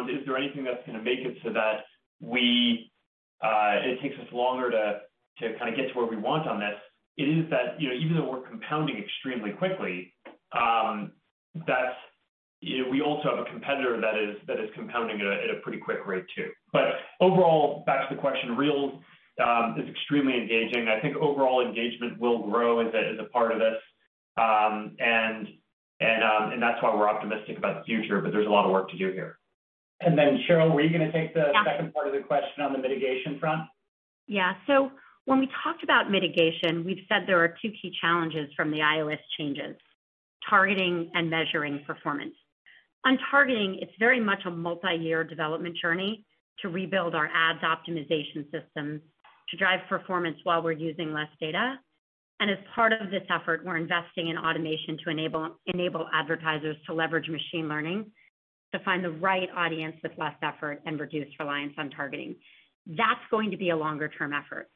is there anything that's gonna make it so that we, it takes us longer to kind of get to where we want on this, it is that, you know, even though we're compounding extremely quickly, that's, you know, we also have a competitor that is compounding at a pretty quick rate too. Overall, back to the question, Reels is extremely engaging. I think overall engagement will grow as a part of this, and that's why we're optimistic about the future, but there's a lot of work to do here. Sheryl, were you gonna take the- Yeah. Second part of the question on the mitigation front? Yeah. When we talked about mitigation, we've said there are two key challenges from the iOS changes, targeting and measuring performance. On targeting, it's very much a multi-year development journey to rebuild our ads optimization system to drive performance while we're using less data. And as part of this effort, we're investing in automation to enable advertisers to leverage machine learning to find the right audience with less effort and reduce reliance on targeting. That's going to be a longer term effort.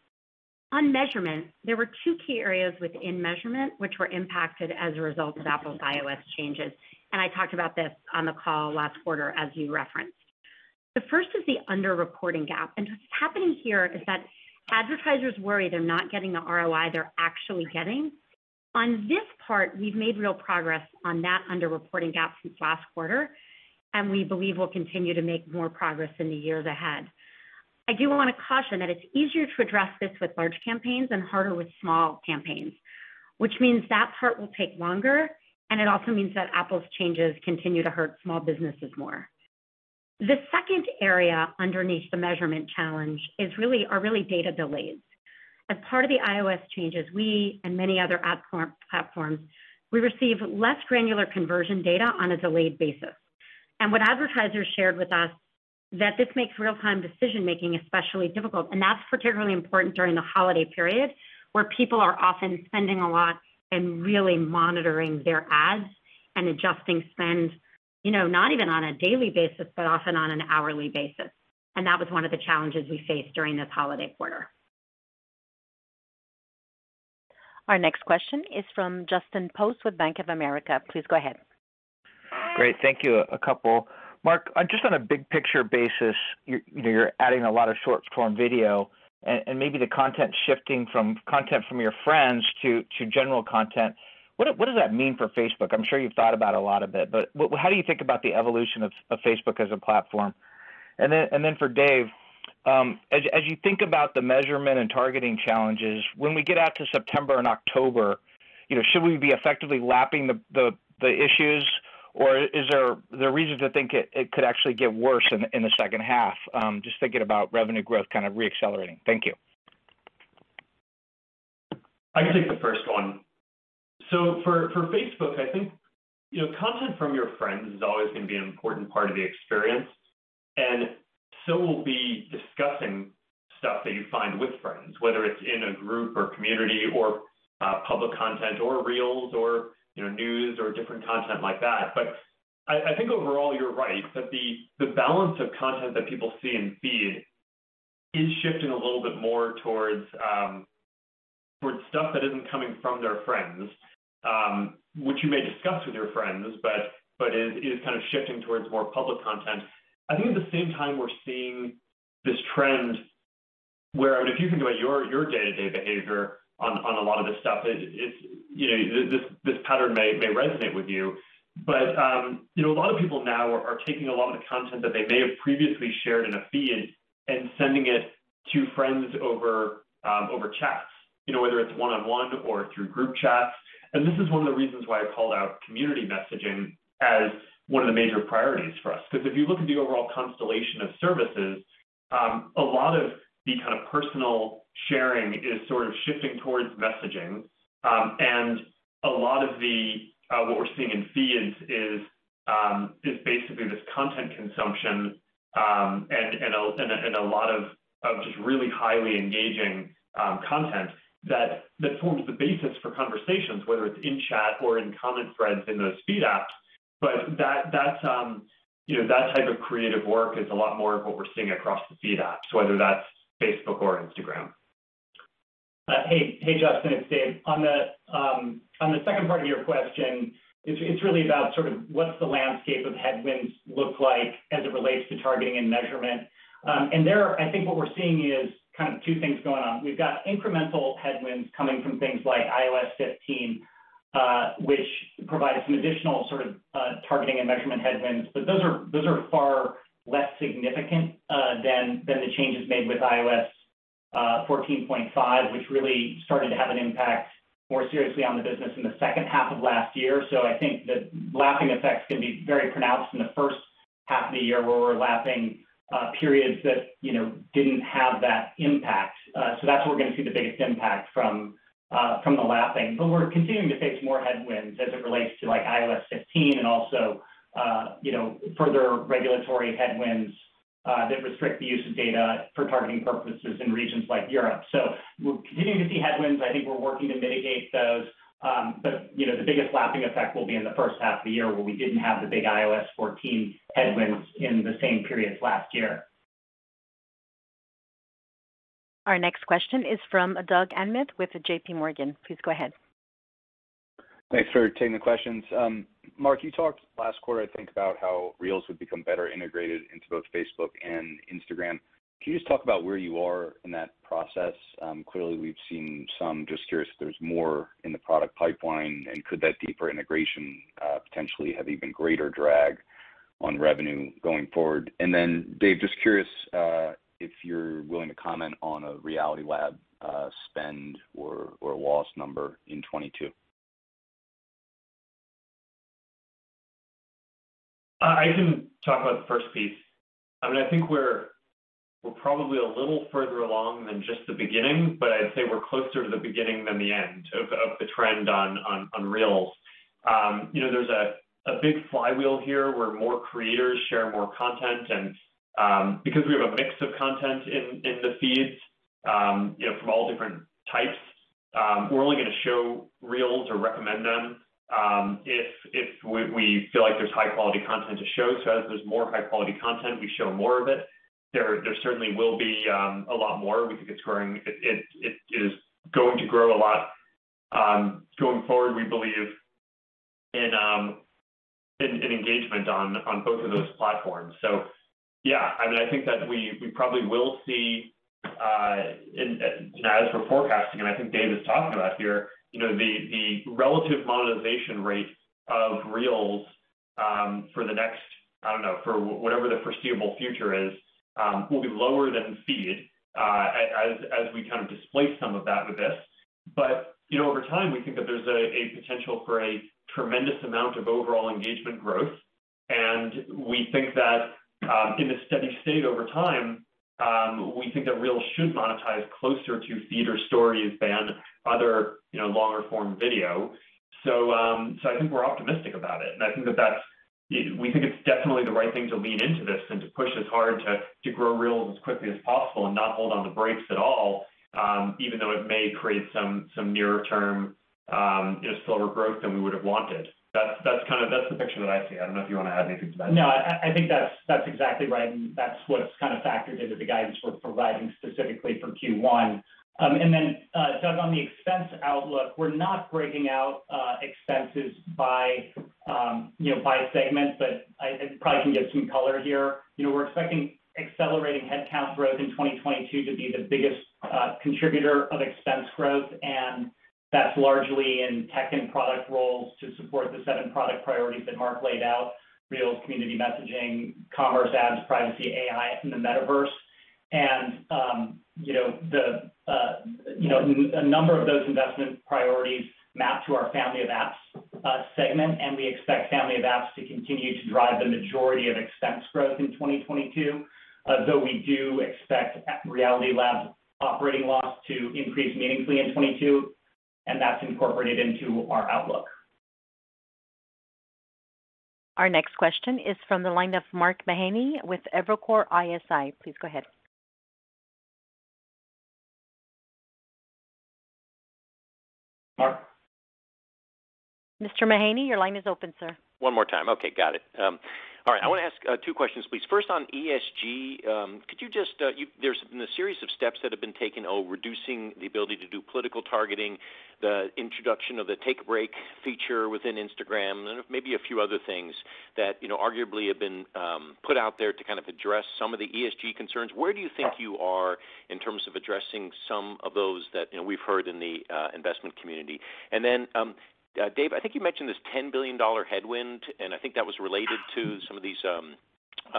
On measurement, there were two key areas within measurement which were impacted as a result of Apple's iOS changes, and I talked about this on the call last quarter as you referenced. The first is the under-reporting gap, and what's happening here is that advertisers worry they're not getting the ROI they're actually getting. On this part, we've made real progress on that under-reporting gap since last quarter, and we believe we'll continue to make more progress in the years ahead. I do wanna caution that it's easier to address this with large campaigns and harder with small campaigns, which means that part will take longer, and it also means that Apple's changes continue to hurt small businesses more. The second area underneath the measurement challenge is really data delays. As part of the iOS changes, we and many other ad platforms receive less granular conversion data on a delayed basis. What advertisers shared with us that this makes real-time decision-making especially difficult, and that's particularly important during the holiday period, where people are often spending a lot and really monitoring their ads and adjusting spend, you know, not even on a daily basis, but often on an hourly basis. That was one of the challenges we faced during this holiday quarter. Our next question is from Justin Post with Bank of America. Please go ahead. Great. Thank you. A couple. Mark, just on a big picture basis, you know, you're adding a lot of short-form video and maybe the content shifting from content from your friends to general content. What does that mean for Facebook? I'm sure you've thought about a lot of it, but how do you think about the evolution of Facebook as a platform? Then for Dave, as you think about the measurement and targeting challenges, when we get out to September and October, you know, should we be effectively lapping the issues, or is there reason to think it could actually get worse in the second half? Just thinking about revenue growth kind of re-accelerating. Thank you. I can take the first one. For Facebook, I think, you know, content from your friends is always gonna be an important part of the experience, and so will be discussing stuff that you find with friends, whether it's in a group or community or public content or Reels or, you know, news or different content like that. I think overall you're right that the balance of content that people see in Feed is shifting a little bit more towards stuff that isn't coming from their friends, which you may discuss with your friends, but it is kind of shifting towards more public content. I think at the same time we're seeing this trend where, I mean, if you think about your day-to-day behavior on a lot of this stuff, it's, you know, this pattern may resonate with you, but, you know, a lot of people now are taking a lot of the content that they may have previously shared in a feed and sending it to friends over chats, you know, whether it's one-on-one or through group chats. This is one of the reasons why I called out community messaging as one of the major priorities for us. 'Cause if you look at the overall constellation of services, a lot of the kind of personal sharing is sort of shifting towards messaging. A lot of what we're seeing in feeds is basically this content consumption and a lot of just really highly engaging content that forms the basis for conversations, whether it's in chat or in comment threads in those feed apps. That's, you know, that type of creative work is a lot more of what we're seeing across the feed apps, whether that's Facebook or Instagram. Hey, Justin, it's Dave. On the second part of your question, it's really about sort of what's the landscape of headwinds look like as it relates to targeting and measurement. There I think what we're seeing is kind of two things going on. We've got incremental headwinds coming from things like iOS 15, which provide some additional sort of targeting and measurement headwinds, but those are far less significant than the changes made with iOS 14.5, which really started to have an impact more seriously on the business in the second half of last year. I think the lapping effects can be very pronounced in the first half of the year where we're lapping periods that, you know, didn't have that impact. That's where we're gonna see the biggest impact from the lapping. We're continuing to face more headwinds as it relates to, like, iOS 15 and also, you know, further regulatory headwinds that restrict the use of data for targeting purposes in regions like Europe. We're continuing to see headwinds. I think we're working to mitigate those. You know, the biggest lapping effect will be in the first half of the year, where we didn't have the big iOS 14 headwinds in the same periods last year. Our next question is from Doug Anmuth with JPMorgan. Please go ahead. Thanks for taking the questions. Mark, you talked last quarter, I think, about how Reels would become better integrated into both Facebook and Instagram. Can you just talk about where you are in that process? Clearly we've seen some. Just curious if there's more in the product pipeline, and could that deeper integration potentially have even greater drag on revenue going forward? Dave, just curious, if you're willing to comment on a Reality Labs spend or loss number in 2022. I can talk about the first piece. I mean, I think we're probably a little further along than just the beginning, but I'd say we're closer to the beginning than the end of the trend on Reels. You know, there's a big flywheel here where more creators share more content and because we have a mix of content in the feeds, you know, from all different types, we're only gonna show Reels or recommend them if we feel like there's high-quality content to show. So as there's more high-quality content, we show more of it. There certainly will be a lot more. We think it's growing. It is going to grow a lot going forward. We believe in engagement on both of those platforms. Yeah, I mean, I think that we probably will see in you know as we're forecasting and I think Dave is talking about here you know the relative monetization rate of Reels for the next I don't know for whatever the foreseeable future is will be lower than Feed as we kind of displace some of that with this. You know, over time, we think that there's a potential for a tremendous amount of overall engagement growth, and we think that in a steady state over time we think that Reels should monetize closer to Feed or Stories than other you know longer form video. I think we're optimistic about it, and I think that that's. We think it's definitely the right thing to lean into this and to push as hard to grow Reels as quickly as possible and not hold on the brakes at all, even though it may create some nearer-term, you know, slower growth than we would've wanted. That's kind of the picture that I see. I don't know if you wanna add anything to that. No, I think that's exactly right, and that's what's kinda factored into the guidance we're providing specifically for Q1. Doug, on the expense outlook, we're not breaking out expenses by you know, by segment, but I probably can give some color here. You know, we're expecting accelerating headcount growth in 2022 to be the biggest contributor of expense growth, and that's largely in tech and product roles to support the seven product priorities that Mark laid out, Reels, community messaging, commerce, ads, privacy, AI, and the Metaverse. You know, a number of those investment priorities map to our Family of Apps segment, and we expect Family of Apps to continue to drive the majority of expense growth in 2022, though we do expect Reality Labs operating loss to increase meaningfully in 2022, and that's incorporated into our outlook. Our next question is from the line of Mark Mahaney with Evercore ISI. Please go ahead. Mark? Mr. Mahaney, your line is open, sir. One more time. Okay, got it. All right. I wanna ask two questions, please. First on ESG, could you just? There's been a series of steps that have been taken on reducing the ability to do political targeting, the introduction of the take break feature within Instagram, and maybe a few other things that, you know, arguably have been put out there to kind of address some of the ESG concerns. Where do you think you are in terms of addressing some of those that, you know, we've heard in the investment community? And then, Dave, I think you mentioned this $10 billion headwind, and I think that was related to some of these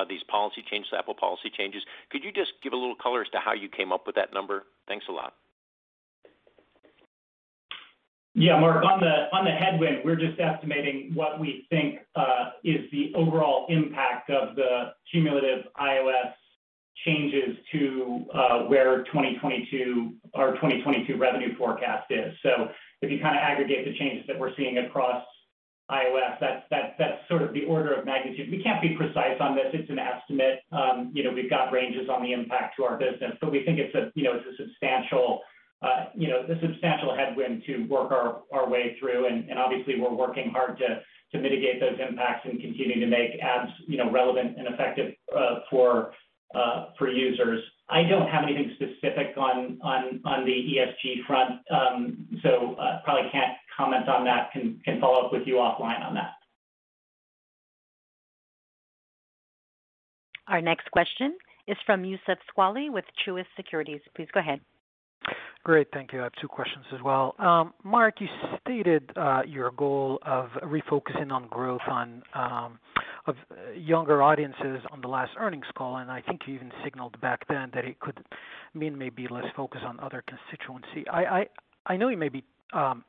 these policy changes, the Apple policy changes. Could you just give a little color as to how you came up with that number? Thanks a lot. Yeah, Mark, on the headwind, we're just estimating what we think is the overall impact of the cumulative iOS changes to where 2022 or our 2022 revenue forecast is. So if you kinda aggregate the changes that we're seeing across iOS, that's sort of the order of magnitude. We can't be precise on this. It's an estimate. You know, we've got ranges on the impact to our business, but we think it's a substantial headwind to work our way through. Obviously we're working hard to mitigate those impacts and continue to make ads relevant and effective for users. I don't have anything specific on the ESG front, so I probably can't comment on that. Can follow up with you offline on that. Our next question is from Youssef Squali with Truist Securities. Please go ahead. Great. Thank you. I have two questions as well. Mark, you stated your goal of refocusing on growth on of younger audiences on the last earnings call, and I think you even signaled back then that it could mean maybe less focus on other constituency. I know it may be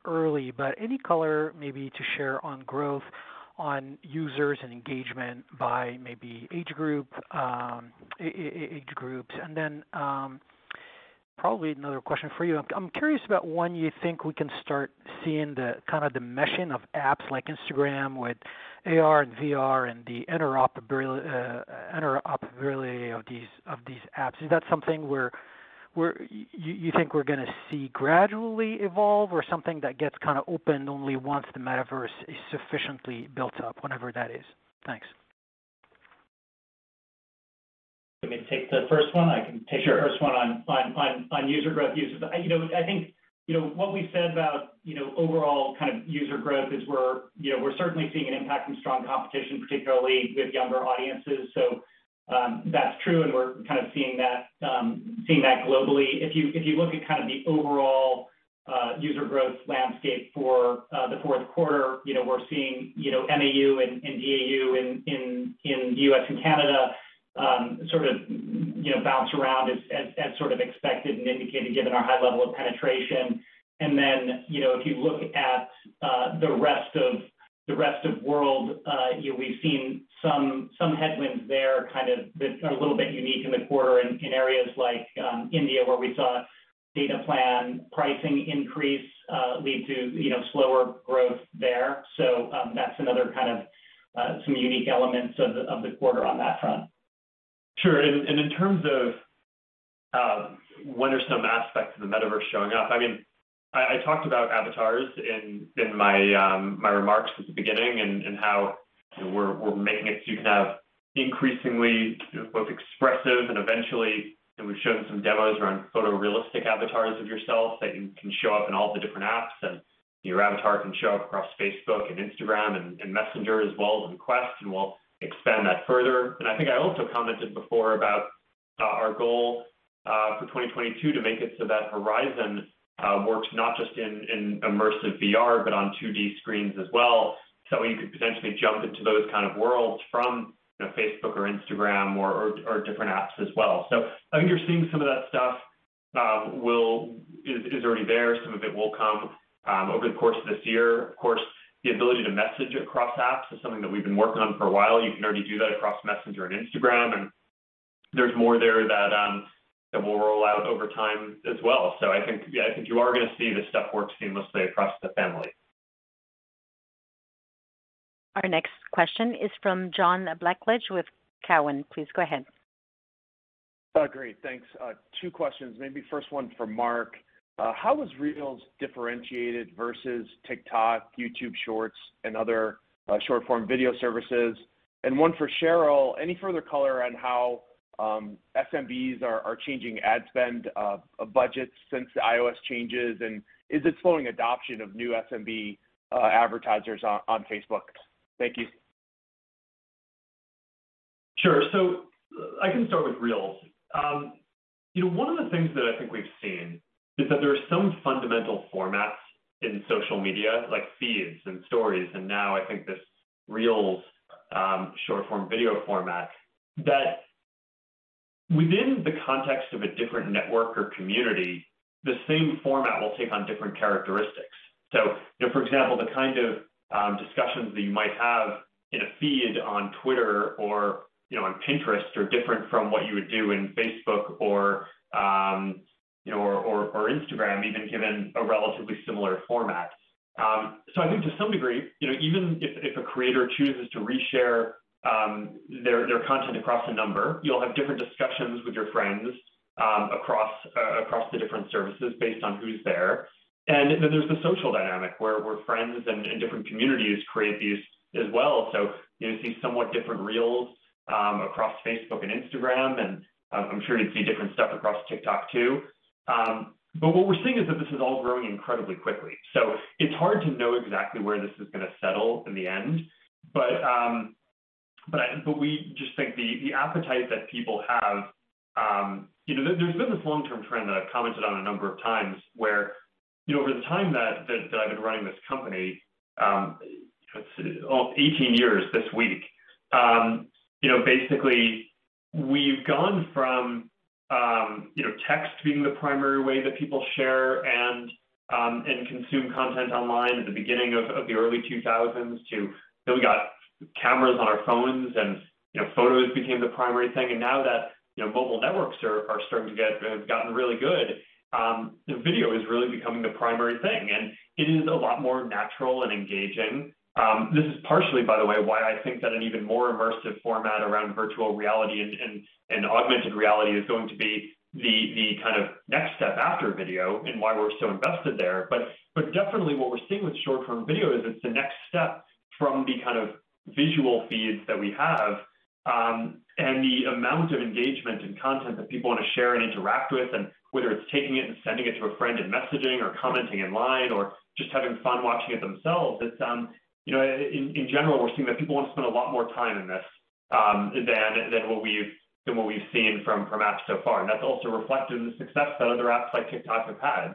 early, but any color maybe to share on growth on users and engagement by maybe age group, age groups? Probably another question for you. I'm curious about when you think we can start seeing the kind of the meshing of apps like Instagram with AR and VR and the interoperability of these, of these apps. Is that something you think we're gonna see gradually evolve or something that gets kind of opened only once the Metaverse is sufficiently built up, whenever that is? Thanks. Let me take the first one. Sure The first one on user growth. You know, I think what we said about overall kind of user growth is we're certainly seeing an impact from strong competition, particularly with younger audiences. That's true, and we're kind of seeing that globally. If you look at kind of the overall user growth landscape for the fourth quarter, you know, we're seeing MAU and DAU in U.S. and Canada sort of bounce around as sort of expected and indicated given our high level of penetration. Then, you know, if you look at the rest of world, we've seen some headwinds there kind of that are a little bit unique in the quarter in areas like India, where we saw data plan pricing increase lead to, you know, slower growth there. That's another kind of some unique elements of the quarter on that front. Sure. In terms of when some aspects of the Metaverse are showing up, I mean, I talked about avatars in my remarks at the beginning and how, you know, we're making it so you can have increasingly sort of both expressive and eventually You know, we've shown some demos around photorealistic avatars of yourself that you can show up in all the different apps, and your avatar can show up across Facebook and Instagram and Messenger as well as in Quest, and we'll expand that further. I think I also commented before about our goal for 2022 to make it so that Horizon works not just in immersive VR, but on 2D screens as well, so you could potentially jump into those kind of worlds from, you know, Facebook or Instagram or different apps as well. I think you're seeing some of that stuff is already there. Some of it will come over the course of this year. Of course, the ability to message across apps is something that we've been working on for a while. You can already do that across Messenger and Instagram, and there's more there that we'll roll out over time as well. I think, yeah, I think you are gonna see this stuff work seamlessly across the Family. Our next question is from John Blackledge with Cowen. Please go ahead. Great. Thanks. Two questions. Maybe first one for Mark. How is Reels differentiated versus TikTok, YouTube Shorts, and other short-form video services? One for Sheryl. Any further color on how SMBs are changing ad spend budgets since the iOS changes, and is it slowing adoption of new SMB advertisers on Facebook? Thank you. Sure. I can start with Reels. You know, one of the things that I think we've seen is that there are some fundamental formats in social media, like feeds and stories, and now I think this Reels, short-form video format, that within the context of a different network or community, the same format will take on different characteristics. You know, for example, the kind of discussions that you might have in a feed on Twitter or, you know, on Pinterest are different from what you would do in Facebook or Instagram, even given a relatively similar format. I think to some degree, you know, even if a creator chooses to re-share their content across a number, you'll have different discussions with your friends across the different services based on who's there. Then there's the social dynamic where friends and different communities create these as well. You'll see somewhat different Reels across Facebook and Instagram, and I'm sure you'd see different stuff across TikTok too. What we're seeing is that this is all growing incredibly quickly. It's hard to know exactly where this is gonna settle in the end. But we just think the appetite that people have. You know, there's been this long-term trend that I've commented on a number of times where, you know, over the time that I've been running this company, it's 18 years this week, you know, basically we've gone from, you know, text being the primary way that people share and consume content online at the beginning of the early 2000s to, you know, we got cameras on our phones and, you know, photos became the primary thing. Now that, you know, mobile networks have gotten really good, you know, video is really becoming the primary thing, and it is a lot more natural and engaging. This is partially, by the way, why I think that an even more immersive format around virtual reality and augmented reality is going to be the kind of next step after video and why we're so invested there. Definitely what we're seeing with short-form video is it's the next step from the kind of visual feeds that we have, and the amount of engagement and content that people wanna share and interact with, and whether it's taking it and sending it to a friend in messaging or commenting in line or just having fun watching it themselves, it's. You know, in general, we're seeing that people want to spend a lot more time in this than what we've seen from apps so far. That's also reflected in the success that other apps like TikTok have had.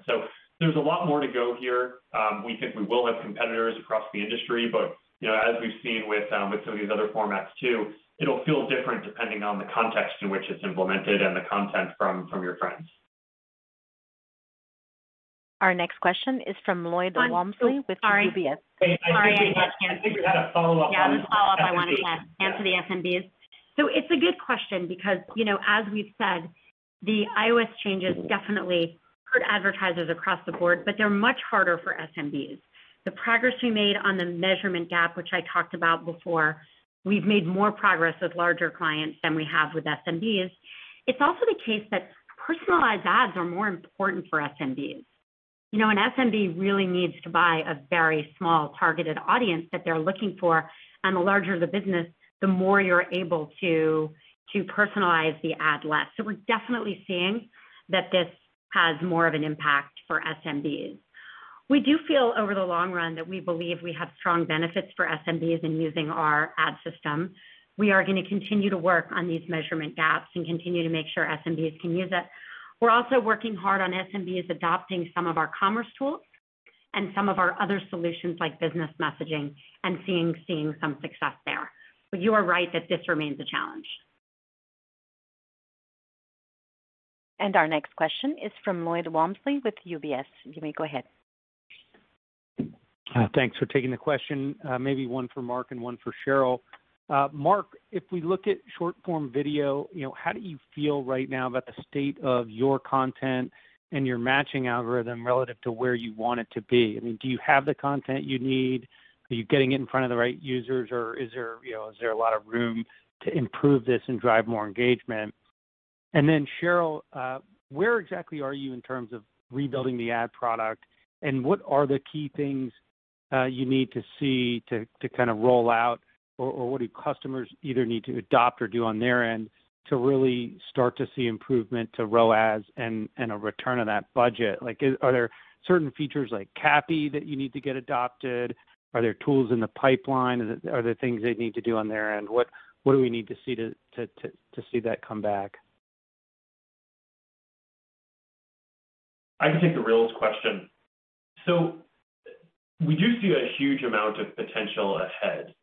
There's a lot more to go here. We think we will have competitors across the industry, but, you know, as we've seen with with some of these other formats too, it'll feel different depending on the context in which it's implemented and the content from your friends. Our next question is from Lloyd Walmsley with UBS. Sorry. I think we had a follow-up on. Yeah, the follow-up I wanted to add to the SMBs. It's a good question because, you know, as we've said, the iOS changes definitely hurt advertisers across the board, but they're much harder for SMBs. The progress we made on the measurement gap, which I talked about before, we've made more progress with larger clients than we have with SMBs. It's also the case that personalized ads are more important for SMBs. You know, an SMB really needs to buy a very small targeted audience that they're looking for, and the larger the business, the more you're able to personalize the ad less. We're definitely seeing that this has more of an impact for SMBs. We do feel over the long run that we believe we have strong benefits for SMBs in using our ad system. We are gonna continue to work on these measurement gaps and continue to make sure SMBs can use it. We're also working hard on SMBs adopting some of our commerce tools and some of our other solutions like business messaging and seeing some success there. You are right that this remains a challenge. Our next question is from Lloyd Walmsley with UBS. You may go ahead. Thanks for taking the question, maybe one for Mark and one for Sheryl. Mark, if we look at short-form video, you know, how do you feel right now about the state of your content and your matching algorithm relative to where you want it to be? I mean, do you have the content you need? Are you getting it in front of the right users, or is there, you know, is there a lot of room to improve this and drive more engagement? Then, Sheryl, where exactly are you in terms of rebuilding the ad product, and what are the key things you need to see to kind of roll out or what do customers either need to adopt or do on their end to really start to see improvement to ROAS and a return of that budget? Like, are there certain features like CAPI that you need to get adopted? Are there tools in the pipeline? Are there things they need to do on their end? What do we need to see to see that come back? I can take the Reels question. We do see a huge amount of potential ahead.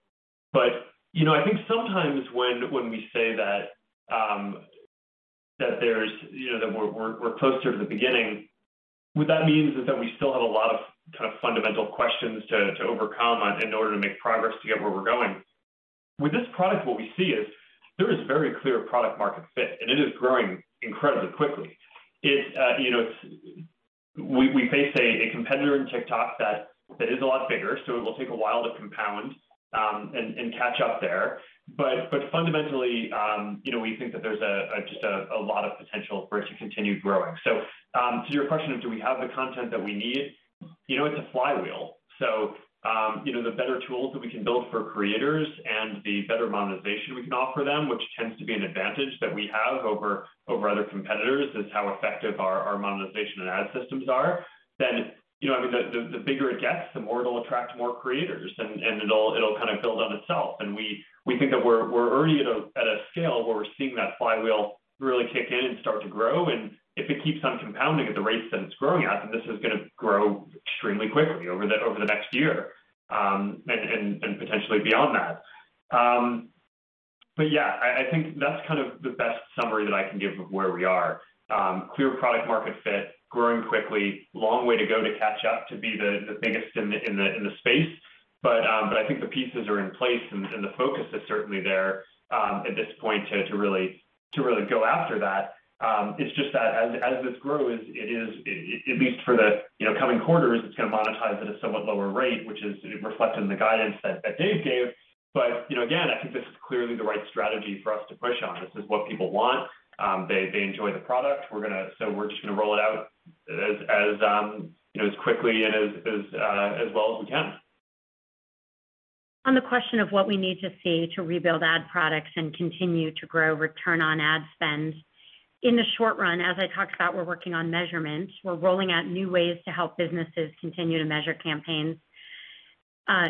You know, I think sometimes when we say that there's, you know, that we're closer to the beginning, what that means is that we still have a lot of kind of fundamental questions to overcome in order to make progress to get where we're going. With this product, what we see is there is very clear product market fit, and it is growing incredibly quickly. It's, you know, we face a competitor in TikTok that is a lot bigger, so it will take a while to compound, and catch up there. Fundamentally, you know, we think that there's just a lot of potential for it to continue growing. To your question of do we have the content that we need, you know, it's a flywheel. You know, the better tools that we can build for creators and the better monetization we can offer them, which tends to be an advantage that we have over other competitors, is how effective our monetization and ad systems are. You know, I mean, the bigger it gets, the more it'll attract more creators and it'll kind of build on itself. We think that we're already at a scale where we're seeing that flywheel really kick in and start to grow. If it keeps on compounding at the rates that it's growing at, then this is gonna grow extremely quickly over the next year and potentially beyond that. Yeah, I think that's kind of the best summary that I can give of where we are. Clear product market fit, growing quickly, long way to go to catch up to be the biggest in the space. I think the pieces are in place and the focus is certainly there at this point to really go after that. It's just that as this grows, at least for the you know coming quarters, it's gonna monetize at a somewhat lower rate, which is reflected in the guidance that Dave gave. You know, again, I think this is clearly the right strategy for us to push on. This is what people want. They enjoy the product. We're just gonna roll it out as you know, as quickly and as well as we can. On the question of what we need to see to rebuild ad products and continue to grow return on ad spends. In the short run, as I talked about, we're working on measurements. We're rolling out new ways to help businesses continue to measure campaigns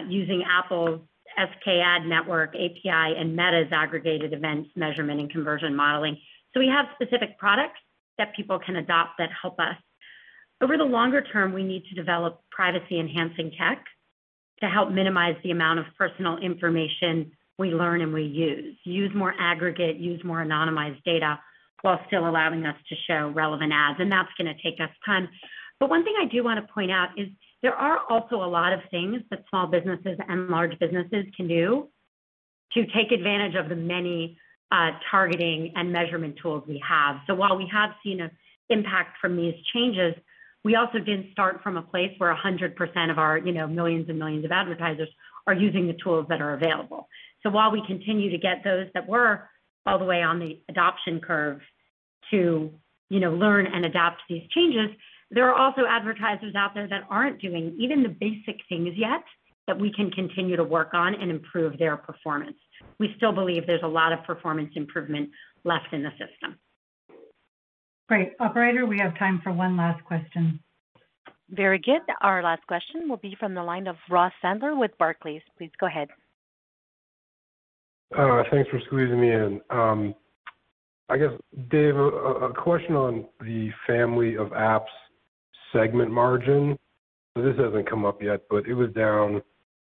using Apple's SKAdNetwork API and Meta's Aggregated Event Measurement and conversion modeling. We have specific products that people can adopt that help us. Over the longer term, we need to develop privacy-enhancing tech to help minimize the amount of personal information we learn and we use. Use more aggregate, use more anonymized data, while still allowing us to show relevant ads, and that's gonna take us time. One thing I do wanna point out is there are also a lot of things that small businesses and large businesses can do to take advantage of the many targeting and measurement tools we have. So while we have seen an impact from these changes, we also didn't start from a place where 100% of our, you know, millions and millions of advertisers are using the tools that are available. So while we continue to get those that were all the way on the adoption curve to, you know, learn and adopt these changes, there are also advertisers out there that aren't doing even the basic things yet that we can continue to work on and improve their performance. We still believe there's a lot of performance improvement left in the system. Great. Operator, we have time for one last question. Very good. Our last question will be from the line of Ross Sandler with Barclays. Please go ahead. Thanks for squeezing me in. I guess, Dave, a question on the Family of Apps segment margin. This hasn't come up yet, but it was down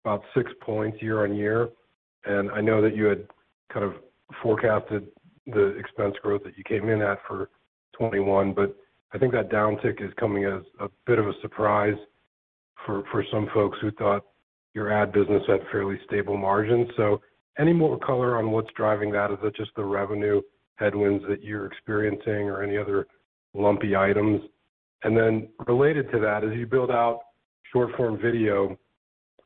about 6 points year-over-year. I know that you had kind of forecasted the expense growth that you came in at for 2021, but I think that downtick is coming as a bit of a surprise for some folks who thought your ad business had fairly stable margins. Any more color on what's driving that? Is it just the revenue headwinds that you're experiencing or any other lumpy items? Then related to that, as you build out short-form video,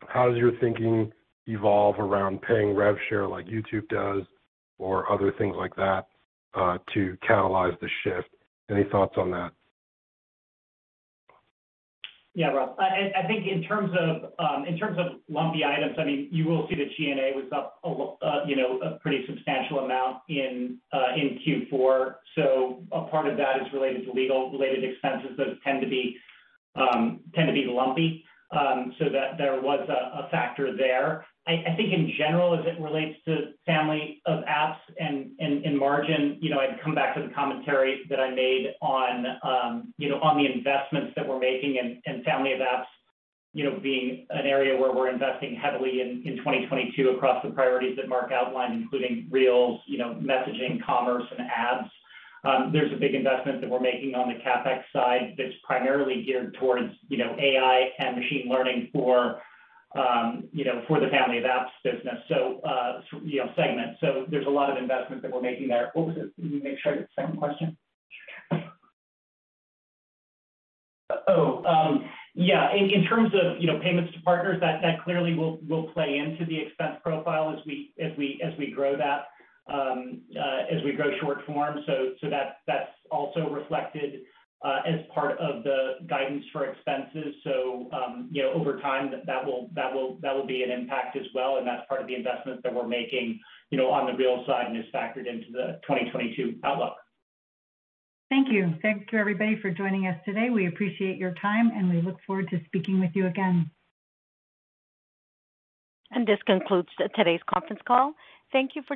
how does your thinking evolve around paying rev share like YouTube does or other things like that to catalyze the shift? Any thoughts on that? Yeah, Ross. I think in terms of lumpy items, I mean, you will see that G&A was up a pretty substantial amount in Q4. So a part of that is related to legal-related expenses. Those tend to be lumpy. So that there was a factor there. I think in general, as it relates to Family of Apps and margin, you know, I'd come back to the commentary that I made on the investments that we're making and Family of Apps, you know, being an area where we're investing heavily in 2022 across the priorities that Mark outlined, including Reels, you know, messaging, commerce, and ads. There's a big investment that we're making on the CapEx side that's primarily geared towards, you know, AI and machine learning for, you know, for the Family of Apps business segment. So there's a lot of investment that we're making there. Let me make sure I get the second question. Oh, yeah, in terms of, you know, payments to partners, that clearly will play into the expense profile as we grow that, as we grow short form. So that's also reflected as part of the guidance for expenses. So, you know, over time, that will be an impact as well, and that's part of the investment that we're making, you know, on the Reels side and is factored into the 2022 outlook. Thank you. Thanks to everybody for joining us today. We appreciate your time, and we look forward to speaking with you again. This concludes today's conference call. Thank you for joining.